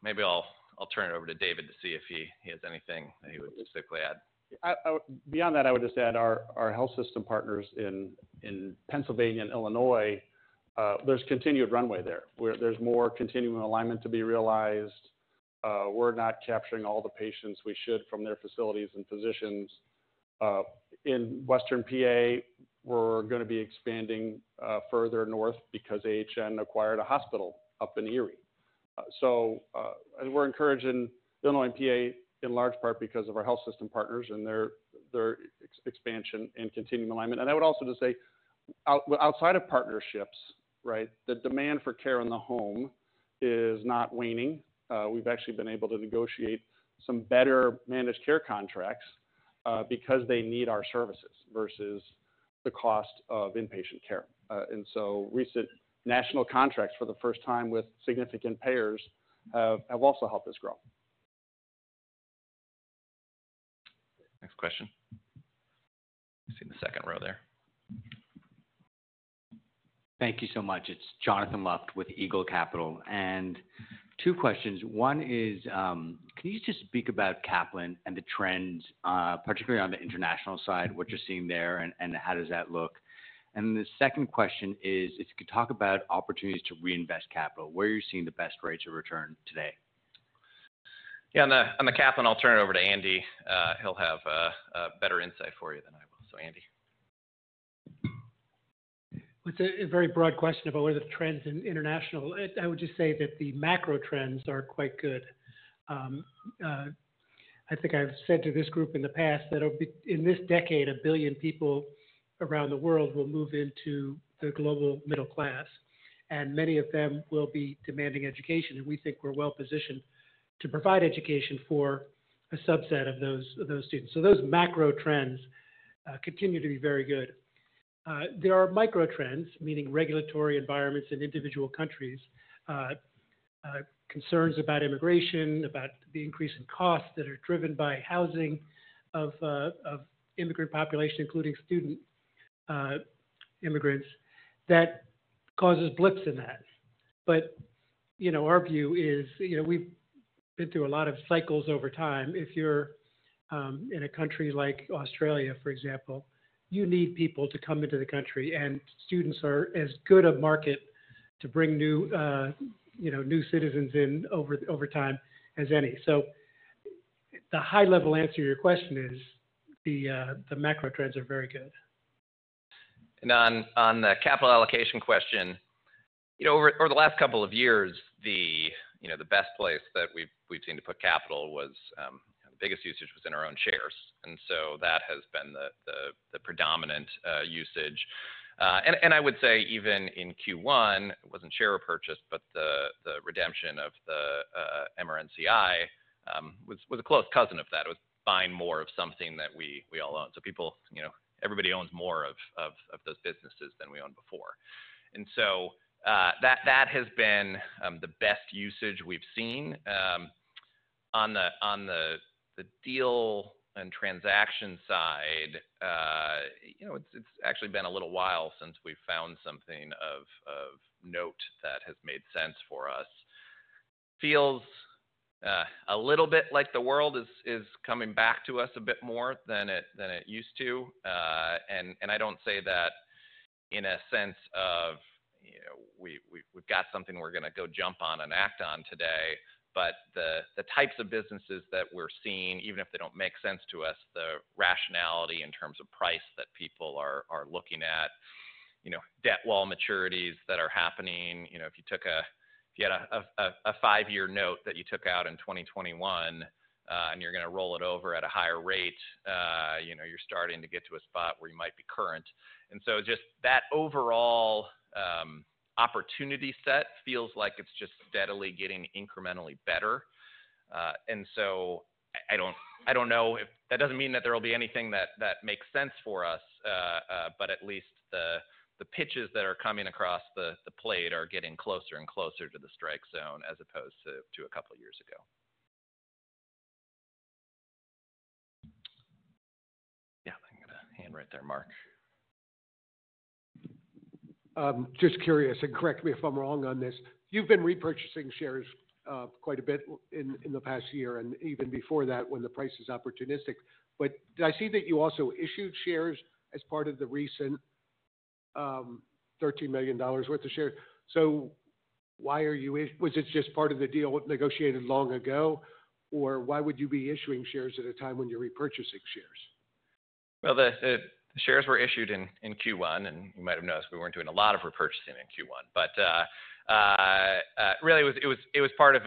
H: Maybe I'll turn it over to David to see if he has anything that he would specifically add. Beyond that, I would just add our health system partners in Pennsylvania and Illinois, there's continued runway there. There's more continuing alignment to be realized. We're not capturing all the patients we should from their facilities and physicians. In western PA, we're going to be expanding further north because AHN acquired a hospital up in Erie. We are encouraging Illinois and PA in large part because of our health system partners and their expansion and continuing alignment. I would also just say, outside of partnerships, the demand for care in the home is not waning. We've actually been able to negotiate some better managed care contracts because they need our services versus the cost of inpatient care. Recent national contracts for the first time with significant payers have also helped us grow. Next question. I see the second row there. Thank you so much.
I: It's Jonathan Loft with Eagle Capital. And two questions. One is, can you just speak about Kaplan and the trends, particularly on the international side, what you're seeing there, and how does that look? And the second question is, if you could talk about opportunities to reinvest capital, where you're seeing the best rates of return today. Yeah. On the Kaplan, I'll turn it over to Andy. He'll have a better insight for you than I will. So, Andy.
J: It's a very broad question about where the trends in international. I would just say that the macro trends are quite good. I think I've said to this group in the past that in this decade, a billion people around the world will move into the global middle class, and many of them will be demanding education. And we think we're well-positioned to provide education for a subset of those students. Those macro trends continue to be very good. There are micro trends, meaning regulatory environments in individual countries, concerns about immigration, about the increase in costs that are driven by housing of immigrant population, including student immigrants, that causes blips in that. Our view is we've been through a lot of cycles over time. If you're in a country like Australia, for example, you need people to come into the country, and students are as good a market to bring new citizens in over time as any. The high-level answer to your question is the macro trends are very good. On the capital allocation question, over the last couple of years, the best place that we've seen to put capital was the biggest usage was in our own shares. That has been the predominant usage. I would say even in Q1, it wasn't share purchase, but the redemption of the MRNCI was a close cousin of that. It was buying more of something that we all own. Everybody owns more of those businesses than we owned before. That has been the best usage we've seen. On the deal and transaction side, it's actually been a little while since we've found something of note that has made sense for us. It feels a little bit like the world is coming back to us a bit more than it used to. I don't say that in a sense of we've got something we're going to go jump on and act on today, but the types of businesses that we're seeing, even if they don't make sense to us, the rationality in terms of price that people are looking at, debt wall maturities that are happening. If you had a five-year note that you took out in 2021 and you're going to roll it over at a higher rate, you're starting to get to a spot where you might be current. Just that overall opportunity set feels like it's just steadily getting incrementally better. I do not know if that does not mean that there will be anything that makes sense for us, but at least the pitches that are coming across the plate are getting closer and closer to the strike zone as opposed to a couple of years ago.
A: Yeah. I am going to hand right there, Mark.
K: Just curious, and correct me if I am wrong on this. You have been repurchasing shares quite a bit in the past year and even before that when the price is opportunistic. I see that you also issued shares as part of the recent $13 million worth of shares. Why are you—was it just part of the deal negotiated long ago, or why would you be issuing shares at a time when you are repurchasing shares?
G: The shares were issued in Q1, and you might have noticed we were not doing a lot of repurchasing in Q1. It was part of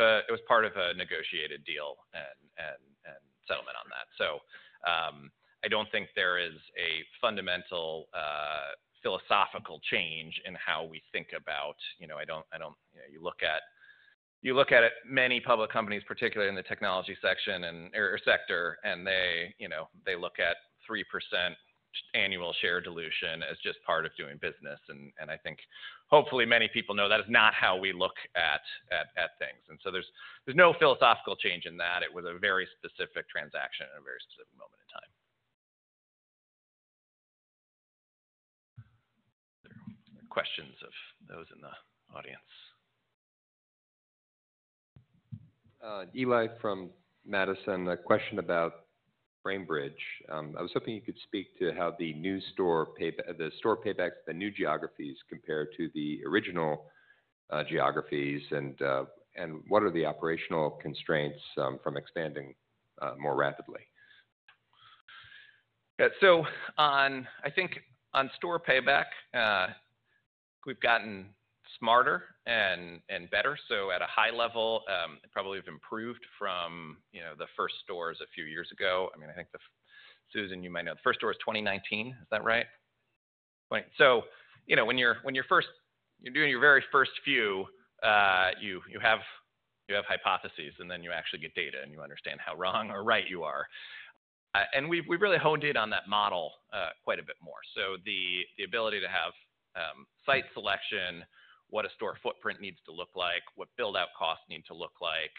G: a negotiated deal and settlement on that. I do not think there is a fundamental philosophical change in how we think about—I do not—you look at many public companies, particularly in the technology sector, and they look at 3% annual share dilution as just part of doing business. I think, hopefully, many people know that is not how we look at things. There is no philosophical change in that. It was a very specific transaction at a very specific moment in time. Questions of those in the audience? Eli from Madison, a question about Framebridge. I was hoping you could speak to how the new store paybacks, the new geographies compared to the original geographies, and what are the operational constraints from expanding more rapidly? Yeah. I think on store payback, we've gotten smarter and better. At a high level, it probably has improved from the first stores a few years ago. I mean, I think, Susan, you might know the first store was 2019. Is that right? When you're doing your very first few, you have hypotheses, and then you actually get data and you understand how wrong or right you are. We've really honed in on that model quite a bit more. The ability to have site selection, what a store footprint needs to look like, what build-out costs need to look like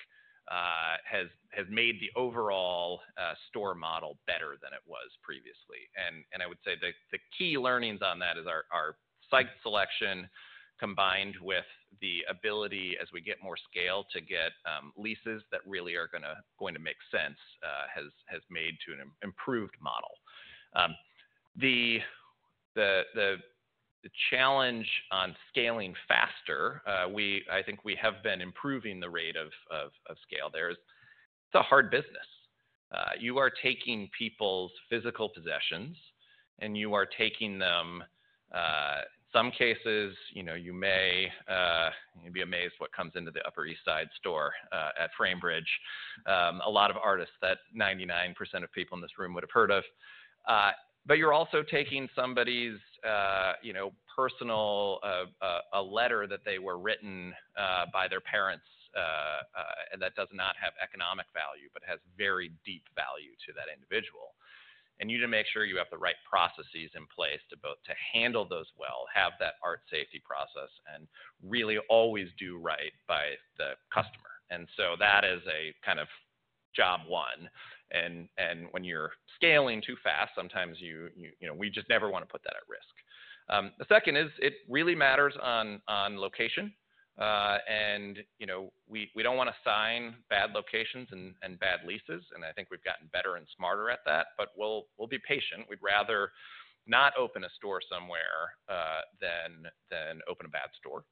G: has made the overall store model better than it was previously. I would say the key learnings on that are our site selection combined with the ability, as we get more scale, to get leases that really are going to make sense has made to an improved model. The challenge on scaling faster, I think we have been improving the rate of scale there. It's a hard business. You are taking people's physical possessions, and you are taking them—in some cases, you may be amazed what comes into the Upper East Side store at Framebridge. A lot of artists, that 99% of people in this room would have heard of. You're also taking somebody's personal, a letter that they were written by their parents, and that does not have economic value, but has very deep value to that individual. You need to make sure you have the right processes in place to handle those well, have that art safety process, and really always do right by the customer. That is kind of job one. When you're scaling too fast, sometimes we just never want to put that at risk. The second is it really matters on location. We don't want to sign bad locations and bad leases. I think we've gotten better and smarter at that, but we'll be patient. We'd rather not open a store somewhere than open a bad store.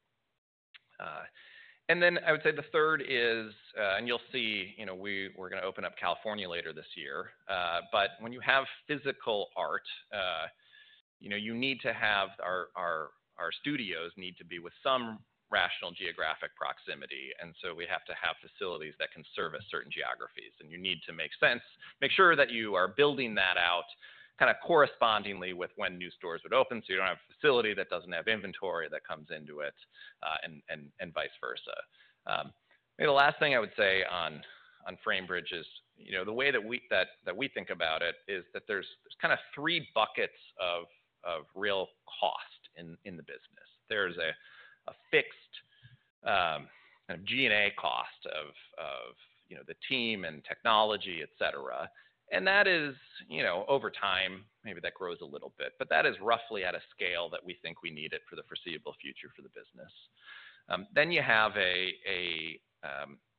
G: I would say the third is, and you'll see we're going to open up California later this year. When you have physical art, you need to have—our studios need to be with some rational geographic proximity. We have to have facilities that can service certain geographies. You need to make sure that you are building that out kind of correspondingly with when new stores would open. You do not have a facility that does not have inventory that comes into it and vice versa. The last thing I would say on Framebridge is the way that we think about it is that there are kind of three buckets of real cost in the business. There is a fixed G&A cost of the team and technology, etc. That is, over time, maybe that grows a little bit, but that is roughly at a scale that we think we need it for the foreseeable future for the business. Then you have a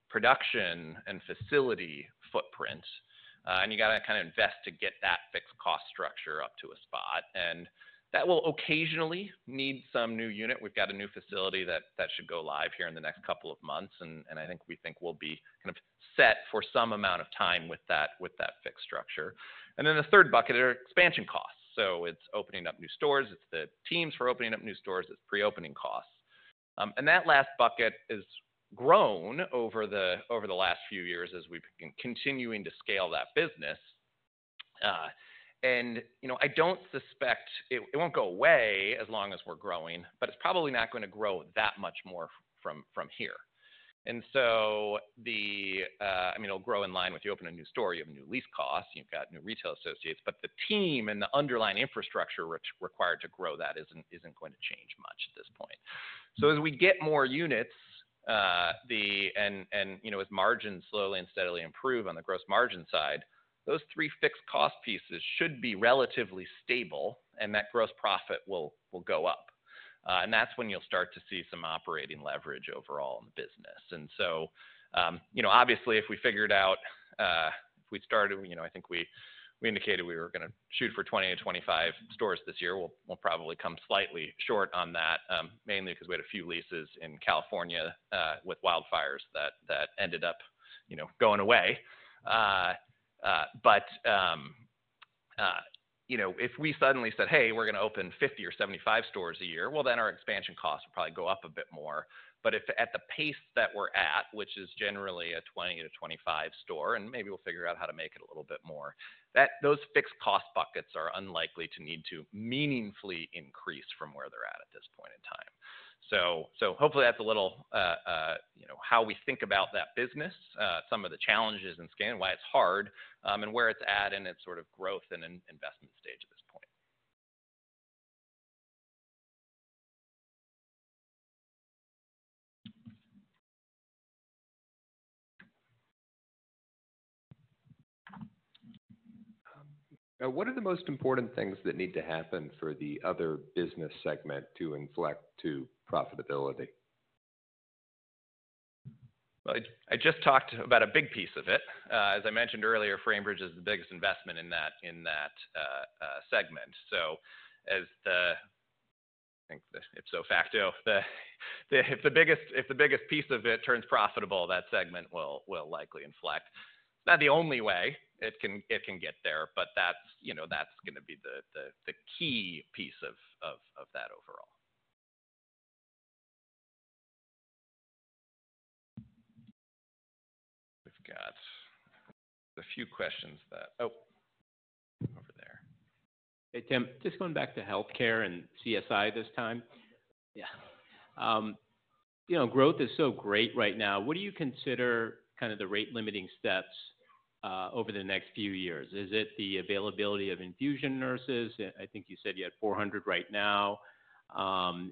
G: production and facility footprint, and you have to kind of invest to get that fixed cost structure up to a spot. That will occasionally need some new unit. We've got a new facility that should go live here in the next couple of months. I think we think we'll be kind of set for some amount of time with that fixed structure. The third bucket are expansion costs. It's opening up new stores. It's the teams for opening up new stores. It's pre-opening costs. That last bucket has grown over the last few years as we've been continuing to scale that business. I don't suspect it won't go away as long as we're growing, but it's probably not going to grow that much more from here. I mean, it'll grow in line with you open a new store. You have a new lease cost. You've got new retail associates. The team and the underlying infrastructure required to grow that isn't going to change much at this point. As we get more units and as margins slowly and steadily improve on the gross margin side, those three fixed cost pieces should be relatively stable, and that gross profit will go up. That is when you'll start to see some operating leverage overall in the business. Obviously, if we figured out if we started—I think we indicated we were going to shoot for 20-25 stores this year. We'll probably come slightly short on that, mainly because we had a few leases in California with wildfires that ended up going away. If we suddenly said, "Hey, we're going to open 50 or 75 stores a year," then our expansion costs will probably go up a bit more. If at the pace that we're at, which is generally a 20-25 store, and maybe we'll figure out how to make it a little bit more, those fixed cost buckets are unlikely to need to meaningfully increase from where they're at at this point in time. Hopefully, that's a little how we think about that business, some of the challenges in scaling, why it's hard, and where it's at in its sort of growth and investment stage at this point. What are the most important things that need to happen for the other business segment to inflect to profitability? I just talked about a big piece of it. As I mentioned earlier, Framebridge is the biggest investment in that segment. I think it's ipso facto. If the biggest piece of it turns profitable, that segment will likely inflect. It's not the only way it can get there, but that's going to be the key piece of that overall. We've got a few questions that—oh, over there.
L: Hey, Tim. Just going back to healthcare and CSI this time. Yeah. Growth is so great right now. What do you consider kind of the rate-limiting steps over the next few years? Is it the availability of infusion nurses? I think you said you had 400 right now.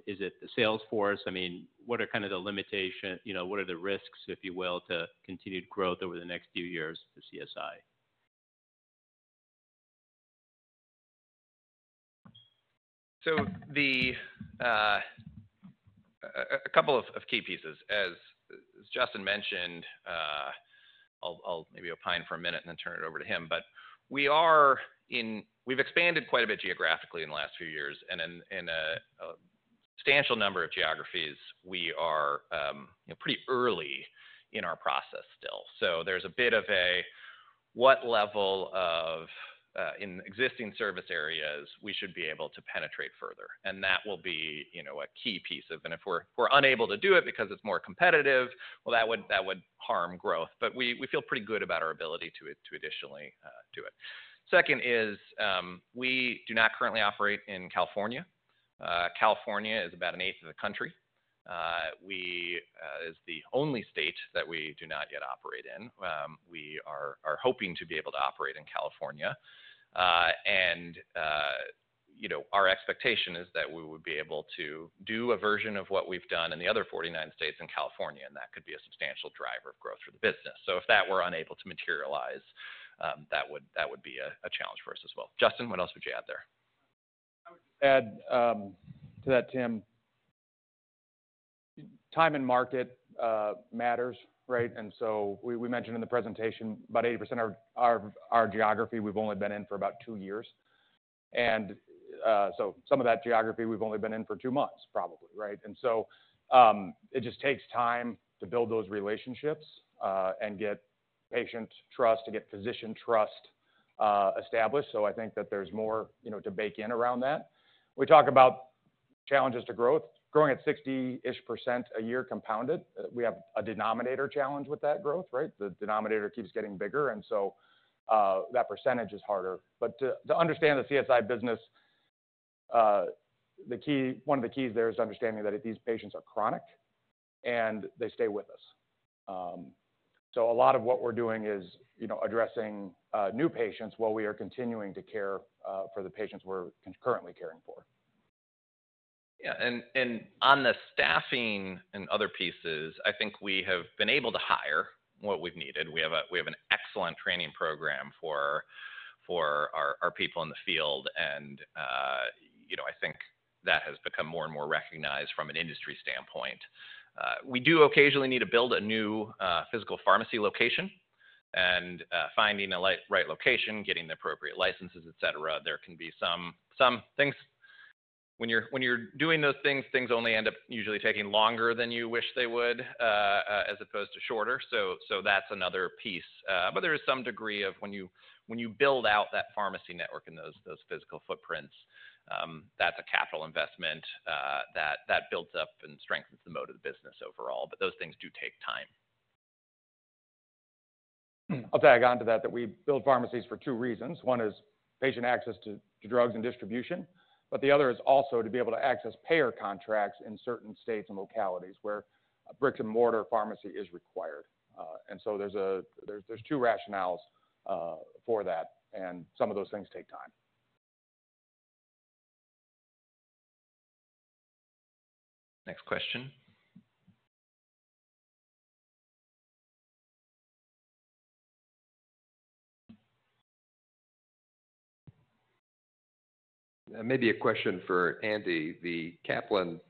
L: Is it the salesforce? I mean, what are kind of the limitations? What are the risks, if you will, to continued growth over the next few years for CSI?
A: So a couple of key pieces. As Justin mentioned, I'll maybe opine for a minute and then turn it over to him. But we've expanded quite a bit geographically in the last few years. In a substantial number of geographies, we are pretty early in our process still. There is a bit of a what level of existing service areas we should be able to penetrate further. That will be a key piece of—if we are unable to do it because it is more competitive, that would harm growth. We feel pretty good about our ability to additionally do it. Second, we do not currently operate in California. California is about an eighth of the country. It is the only state that we do not yet operate in. We are hoping to be able to operate in California. Our expectation is that we would be able to do a version of what we have done in the other 49 states in California, and that could be a substantial driver of growth for the business.
L: If that were unable to materialize, that would be a challenge for us as well. Justin, what else would you add there?
G: I would just add to that, Tim. Time and market matters, right? We mentioned in the presentation about 80% of our geography, we've only been in for about two years. Some of that geography, we've only been in for two months, probably, right? It just takes time to build those relationships and get patient trust, to get physician trust established. I think that there's more to bake in around that. We talk about challenges to growth. Growing at 60% a year compounded, we have a denominator challenge with that growth, right? The denominator keeps getting bigger, and that percentage is harder. To understand the CSI business, one of the keys there is understanding that these patients are chronic and they stay with us. A lot of what we're doing is addressing new patients while we are continuing to care for the patients we're currently caring for.
C: Yeah. On the staffing and other pieces, I think we have been able to hire what we've needed. We have an excellent training program for our people in the field. I think that has become more and more recognized from an industry standpoint. We do occasionally need to build a new physical pharmacy location. Finding the right location, getting the appropriate licenses, etc., there can be some things. When you're doing those things, things usually end up taking longer than you wish they would as opposed to shorter. That's another piece. There is some degree of when you build out that pharmacy network and those physical footprints, that's a capital investment that builds up and strengthens the moat of the business overall. Those things do take time.
A: I'll tag on to that that we build pharmacies for two reasons. One is patient access to drugs and distribution, but the other is also to be able to access payer contracts in certain states and localities where a brick-and-mortar pharmacy is required. There are two rationales for that, and some of those things take time.
J: Next question. Maybe a question for Andy. The Kaplan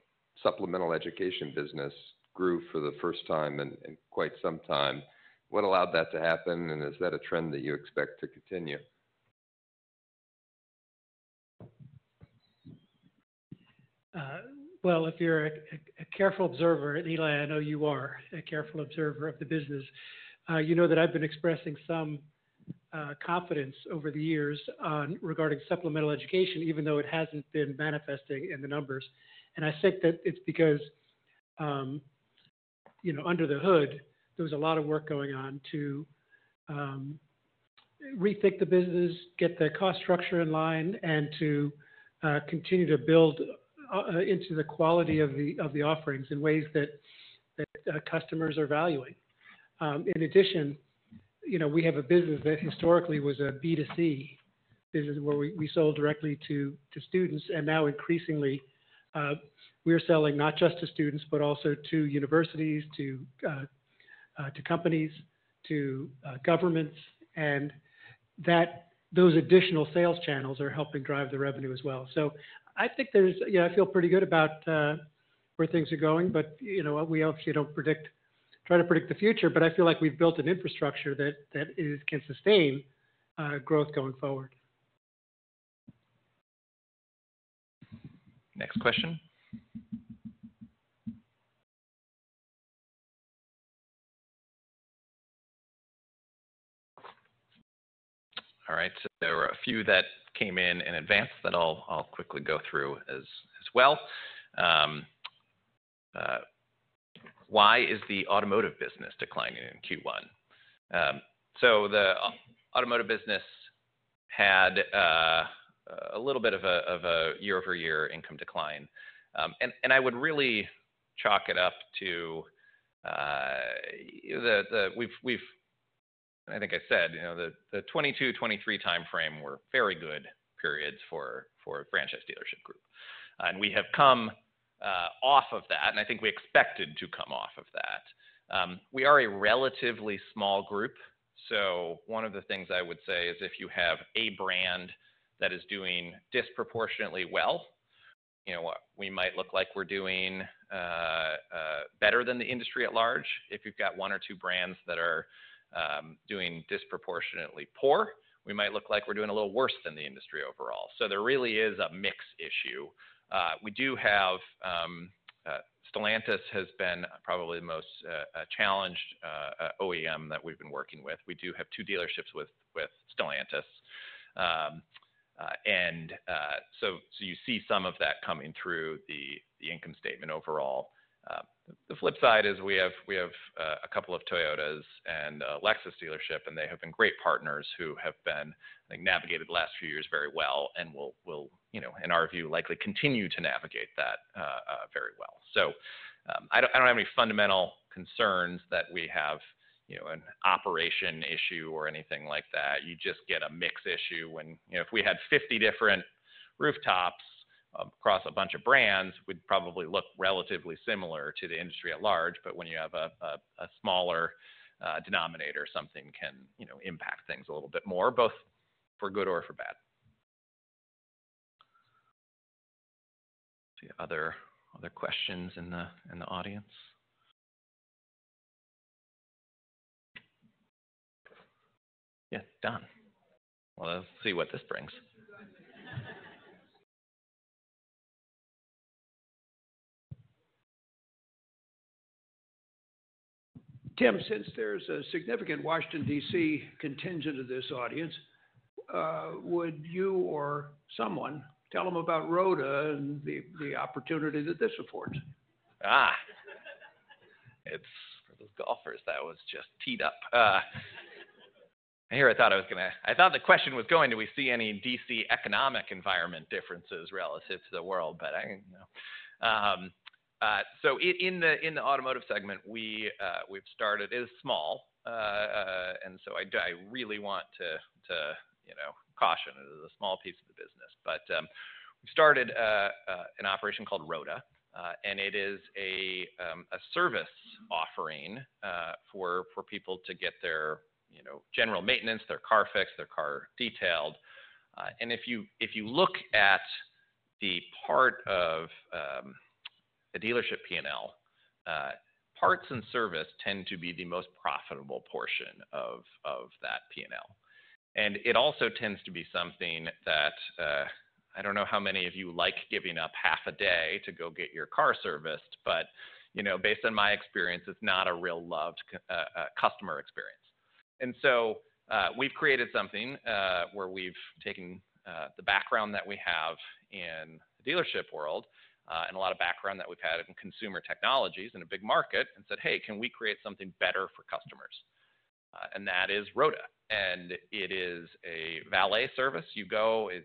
J: supplemental education business grew for the first time in quite some time. What allowed that to happen, and is that a trend that you expect to continue?
G: If you're a careful observer, and Eli, I know you are a careful observer of the business, you know that I've been expressing some confidence over the years regarding supplemental education, even though it hasn't been manifesting in the numbers. I think that it's because under the hood, there was a lot of work going on to rethink the business, get the cost structure in line, and to continue to build into the quality of the offerings in ways that customers are valuing. In addition, we have a business that historically was a B2C business where we sold directly to students. Now, increasingly, we're selling not just to students, but also to universities, to companies, to governments. Those additional sales channels are helping drive the revenue as well. I think I feel pretty good about where things are going, but we obviously do not try to predict the future. I feel like we have built an infrastructure that can sustain growth going forward. Next question.
A: All right. There were a few that came in in advance that I will quickly go through as well. Why is the automotive business declining in Q1? The automotive business had a little bit of a year-over-year income decline. I would really chalk it up to the—I think I said the 2022, 2023 timeframe were very good periods for a franchise dealership group. We have come off of that, and I think we expected to come off of that. We are a relatively small group. One of the things I would say is if you have a brand that is doing disproportionately well, we might look like we're doing better than the industry at large. If you've got one or two brands that are doing disproportionately poor, we might look like we're doing a little worse than the industry overall. There really is a mixed issue. We do have Stellantis, which has been probably the most challenged OEM that we've been working with. We do have two dealerships with Stellantis, and you see some of that coming through the income statement overall. The flip side is we have a couple of Toyotas and a Lexus dealership, and they have been great partners who have navigated the last few years very well and will, in our view, likely continue to navigate that very well. I do not have any fundamental concerns that we have an operation issue or anything like that. You just get a mixed issue. If we had 50 different rooftops across a bunch of brands, we would probably look relatively similar to the industry at large. But when you have a smaller denominator, something can impact things a little bit more, both for good or for bad. See other questions in the audience? Yeah. Done. Let us see what this brings. Tim, since there is a significant Washington, DC contingent of this audience, would you or someone tell them about ROTA and the opportunity that this affords? For those golfers, that was just teed up. I hear it. I thought the question was going, "Do we see any DC economic environment differences relative to the world?" But I do not know. In the automotive segment, we have started—it is small. I really want to caution it as a small piece of the business. We started an operation called ROTA, and it is a service offering for people to get their general maintenance, their car fixed, their car detailed. If you look at the part of the dealership P&L, parts and service tend to be the most profitable portion of that P&L. It also tends to be something that I do not know how many of you like giving up half a day to go get your car serviced. Based on my experience, it is not a real loved customer experience. We have created something where we have taken the background that we have in the dealership world and a lot of background that we have had in consumer technologies in a big market and said, "Hey, can we create something better for customers?" That is ROTA. It is a valet service.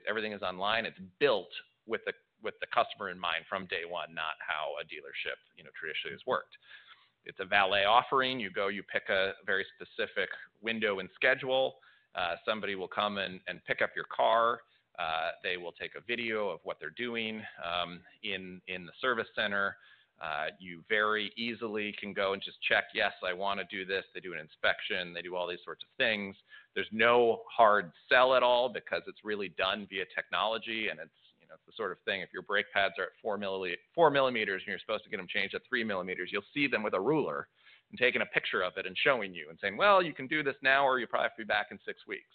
A: Everything is online. It's built with the customer in mind from day one, not how a dealership traditionally has worked. It's a valet offering. You go, you pick a very specific window and schedule. Somebody will come and pick up your car. They will take a video of what they're doing in the service center. You very easily can go and just check, "Yes, I want to do this." They do an inspection. They do all these sorts of things. There's no hard sell at all because it's really done via technology. It is the sort of thing if your brake pads are at 4 millimeters and you are supposed to get them changed at 3 millimeters, you will see them with a ruler and taking a picture of it and showing you and saying, "Well, you can do this now, or you probably have to be back in six weeks."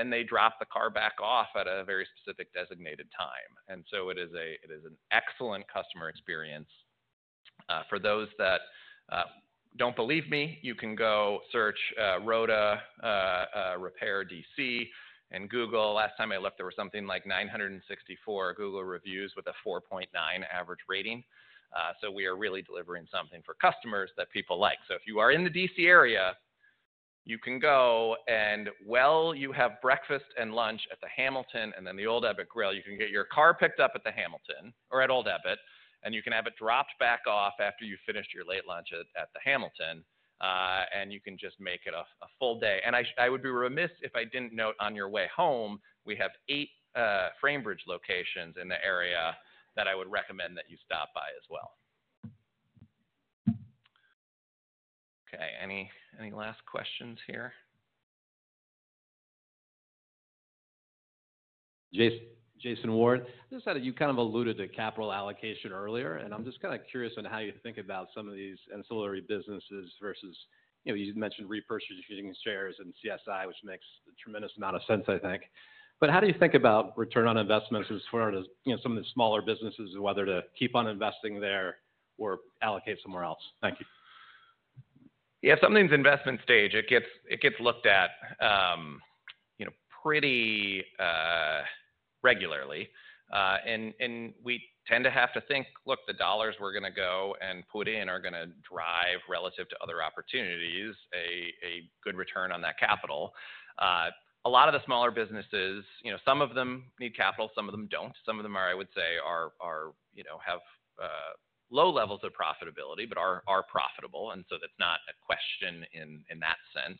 A: They drop the car back off at a very specific designated time. It is an excellent customer experience. For those that do not believe me, you can go search ROTA repair, DC, and Google. Last time I looked, there were something like 964 Google reviews with a 4.9 average rating. We are really delivering something for customers that people like. If you are in the DC area, you can go and, well, you have breakfast and lunch at the Hamilton and then Old Ebbitt Grill. You can get your car picked up at the Hamilton or at Old Ebbitt, and you can have it dropped back off after you finished your late lunch at the Hamilton. You can just make it a full day. I would be remiss if I did not note on your way home, we have eight Framebridge locations in the area that I would recommend that you stop by as well. Okay. Any last questions here? Jason Ward just said you kind of alluded to capital allocation earlier, and I am just kind of curious on how you think about some of these ancillary businesses versus you mentioned repurchasing shares and CSI, which makes a tremendous amount of sense, I think. How do you think about return on investments as far as some of the smaller businesses, whether to keep on investing there or allocate somewhere else? Thank you. Yeah. Something's investment stage. It gets looked at pretty regularly. We tend to have to think, "Look, the dollars we're going to go and put in are going to drive relative to other opportunities a good return on that capital." A lot of the smaller businesses, some of them need capital, some of them don't. Some of them are, I would say, have low levels of profitability but are profitable. That's not a question in that sense.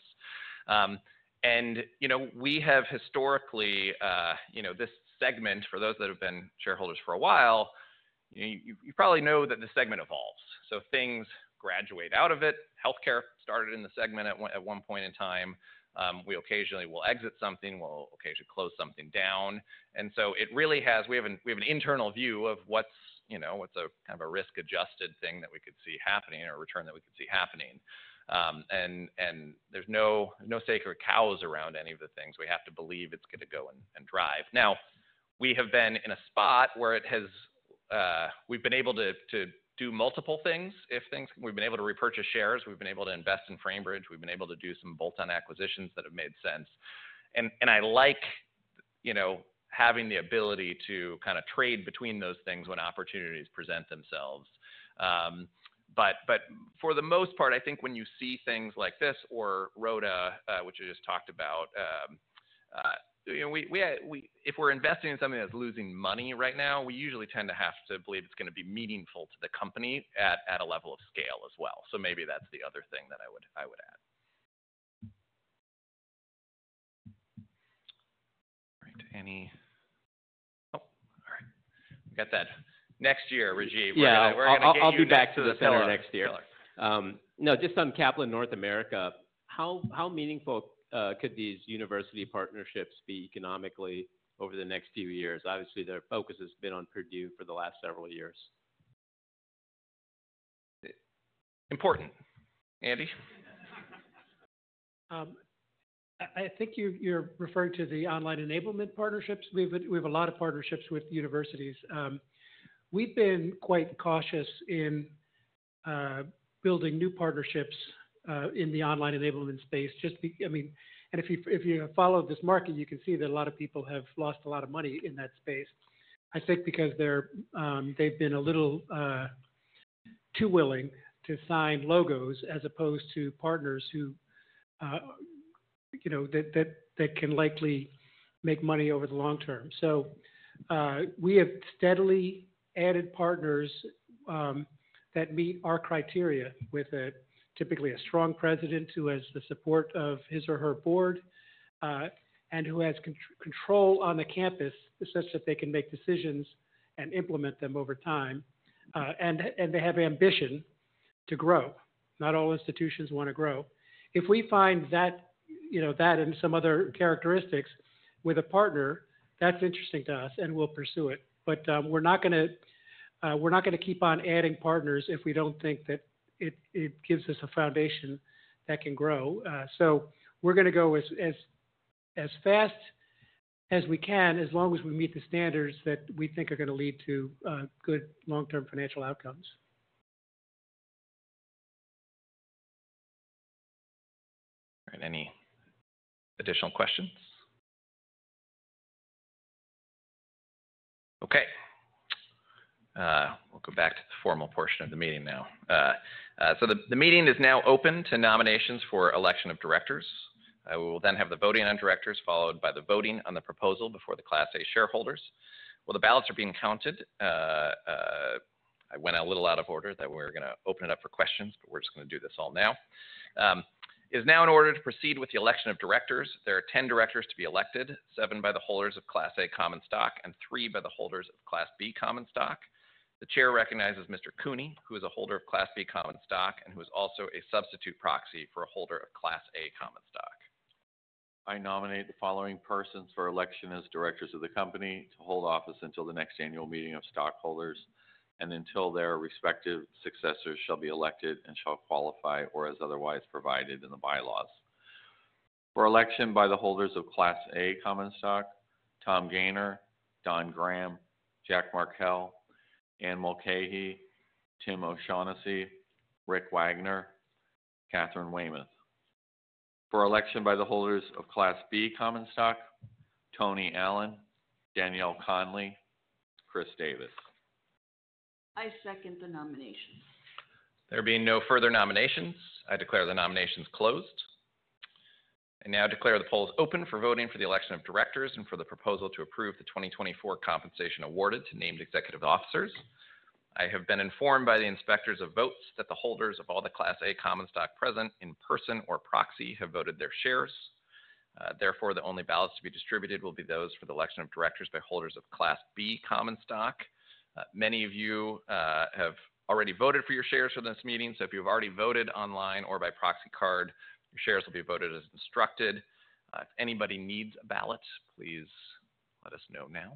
A: We have historically this segment, for those that have been shareholders for a while, you probably know that the segment evolves. Things graduate out of it. Healthcare started in the segment at one point in time. We occasionally will exit something. We'll occasionally close something down. It really has, we have an internal view of what's a kind of a risk-adjusted thing that we could see happening or a return that we could see happening. There are no sacred cows around any of the things. We have to believe it's going to go and drive. We have been in a spot where we've been able to do multiple things. We've been able to repurchase shares. We've been able to invest in Framebridge. We've been able to do some bolt-on acquisitions that have made sense. I like having the ability to kind of trade between those things when opportunities present themselves. For the most part, I think when you see things like this or ROTA, which I just talked about, if we're investing in something that's losing money right now, we usually tend to have to believe it's going to be meaningful to the company at a level of scale as well. Maybe that's the other thing that I would add. All right. Any—oh, all right. We got that. Next year, Reggie. We're going to get you to—I'll be back to the seminar next year. No, just on Kaplan North America, how meaningful could these university partnerships be economically over the next few years? Obviously, their focus has been on Purdue for the last several years. Important. Andy? I think you're referring to the online enablement partnerships. We have a lot of partnerships with universities. We've been quite cautious in building new partnerships in the online enablement space. I mean, and if you follow this market, you can see that a lot of people have lost a lot of money in that space, I think, because they've been a little too willing to sign logos as opposed to partners that can likely make money over the long term. We have steadily added partners that meet our criteria with typically a strong president who has the support of his or her board and who has control on the campus such that they can make decisions and implement them over time. They have ambition to grow. Not all institutions want to grow. If we find that and some other characteristics with a partner, that's interesting to us, and we'll pursue it. We are not going to keep on adding partners if we do not think that it gives us a foundation that can grow. We're going to go as fast as we can as long as we meet the standards that we think are going to lead to good long-term financial outcomes. All right. Any additional questions? Okay. We'll go back to the formal portion of the meeting now. The meeting is now open to nominations for election of directors. We will then have the voting on directors followed by the voting on the proposal before the Class A shareholders. While the ballots are being counted, I went a little out of order that we're going to open it up for questions, but we're just going to do this all now. It is now in order to proceed with the election of directors. There are 10 directors to be elected, seven by the holders of Class A common stock and three by the holders of Class B common stock. The chair recognizes Mr. Cooney, who is a holder of Class B common stock and who is also a substitute proxy for a holder of Class A common stock. I nominate the following persons for election as directors of the company to hold office until the next annual meeting of stockholders and until their respective successors shall be elected and shall qualify or as otherwise provided in the bylaws. For election by the holders of Class A common stock, Tom Gaynor, Don Graham, Jack Markell, Anne Mulcahy, Tim O'Shaughnessy, Rick Wagner, Catherine Weymouth. For election by the holders of Class B common stock, Tony Allen, Danielle Conley, Chris Davis. I second the nominations. There being no further nominations, I declare the nominations closed. I now declare the polls open for voting for the election of directors and for the proposal to approve the 2024 compensation awarded to named executive officers. I have been informed by the inspectors of votes that the holders of all the Class A common stock present in person or proxy have voted their shares. Therefore, the only ballots to be distributed will be those for the election of directors by holders of Class B common stock. Many of you have already voted for your shares for this meeting. If you've already voted online or by proxy card, your shares will be voted as instructed. If anybody needs a ballot, please let us know now.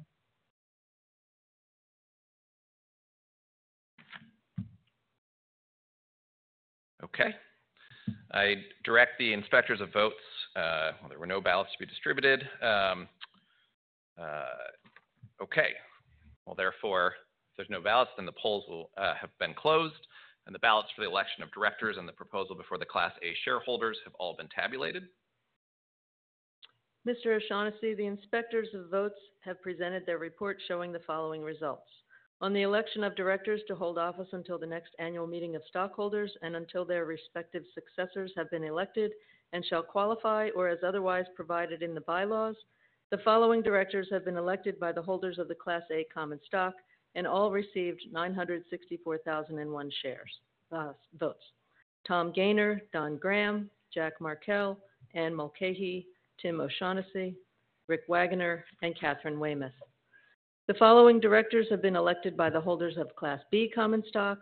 A: Okay. I direct the inspectors of votes. There were no ballots to be distributed. Okay. Therefore, if there's no ballots, then the polls have been closed. The ballots for the election of directors and the proposal before the Class A shareholders have all been tabulated.
B: Mr. O'Shaughnessy, the inspectors of votes have presented their report showing the following results. On the election of directors to hold office until the next annual meeting of stockholders and until their respective successors have been elected and shall qualify or as otherwise provided in the bylaws, the following directors have been elected by the holders of the Class A common stock and all received 964,001 votes: Tom Gaynor, Don Graham, Jack Markell, Anne Mulcahy, Tim O'Shaughnessy, Rick Wagner, and Catherine Weymouth. The following directors have been elected by the holders of Class B common stock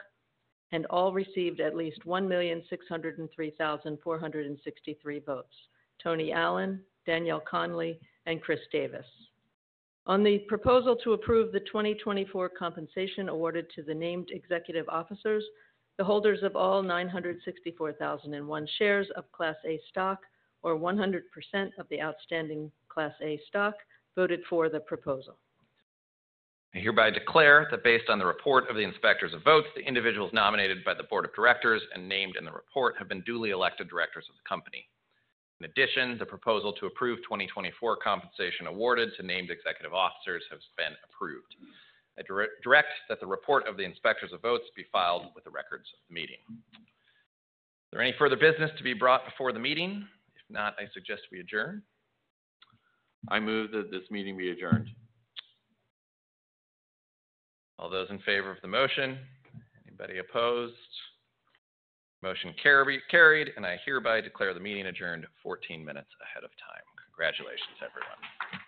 B: and all received at least 1,603,463 votes: Tony Allen, Danielle Conley, and Chris Davis. On the proposal to approve the 2024 compensation awarded to the named executive officers, the holders of all 964,001 shares of Class A stock or 100% of the outstanding Class A stock voted for the proposal.
A: I hereby declare that based on the report of the inspectors of votes, the individuals nominated by the board of directors and named in the report have been duly elected directors of the company. In addition, the proposal to approve 2024 compensation awarded to named executive officers has been approved. I direct that the report of the inspectors of votes be filed with the records of the meeting. Is there any further business to be brought before the meeting? If not, I suggest we adjourn. I move that this meeting be adjourned. All those in favor of the motion? Anybody opposed? Motion carried. I hereby declare the meeting adjourned 14 minutes ahead of time. Congratulations, everyone.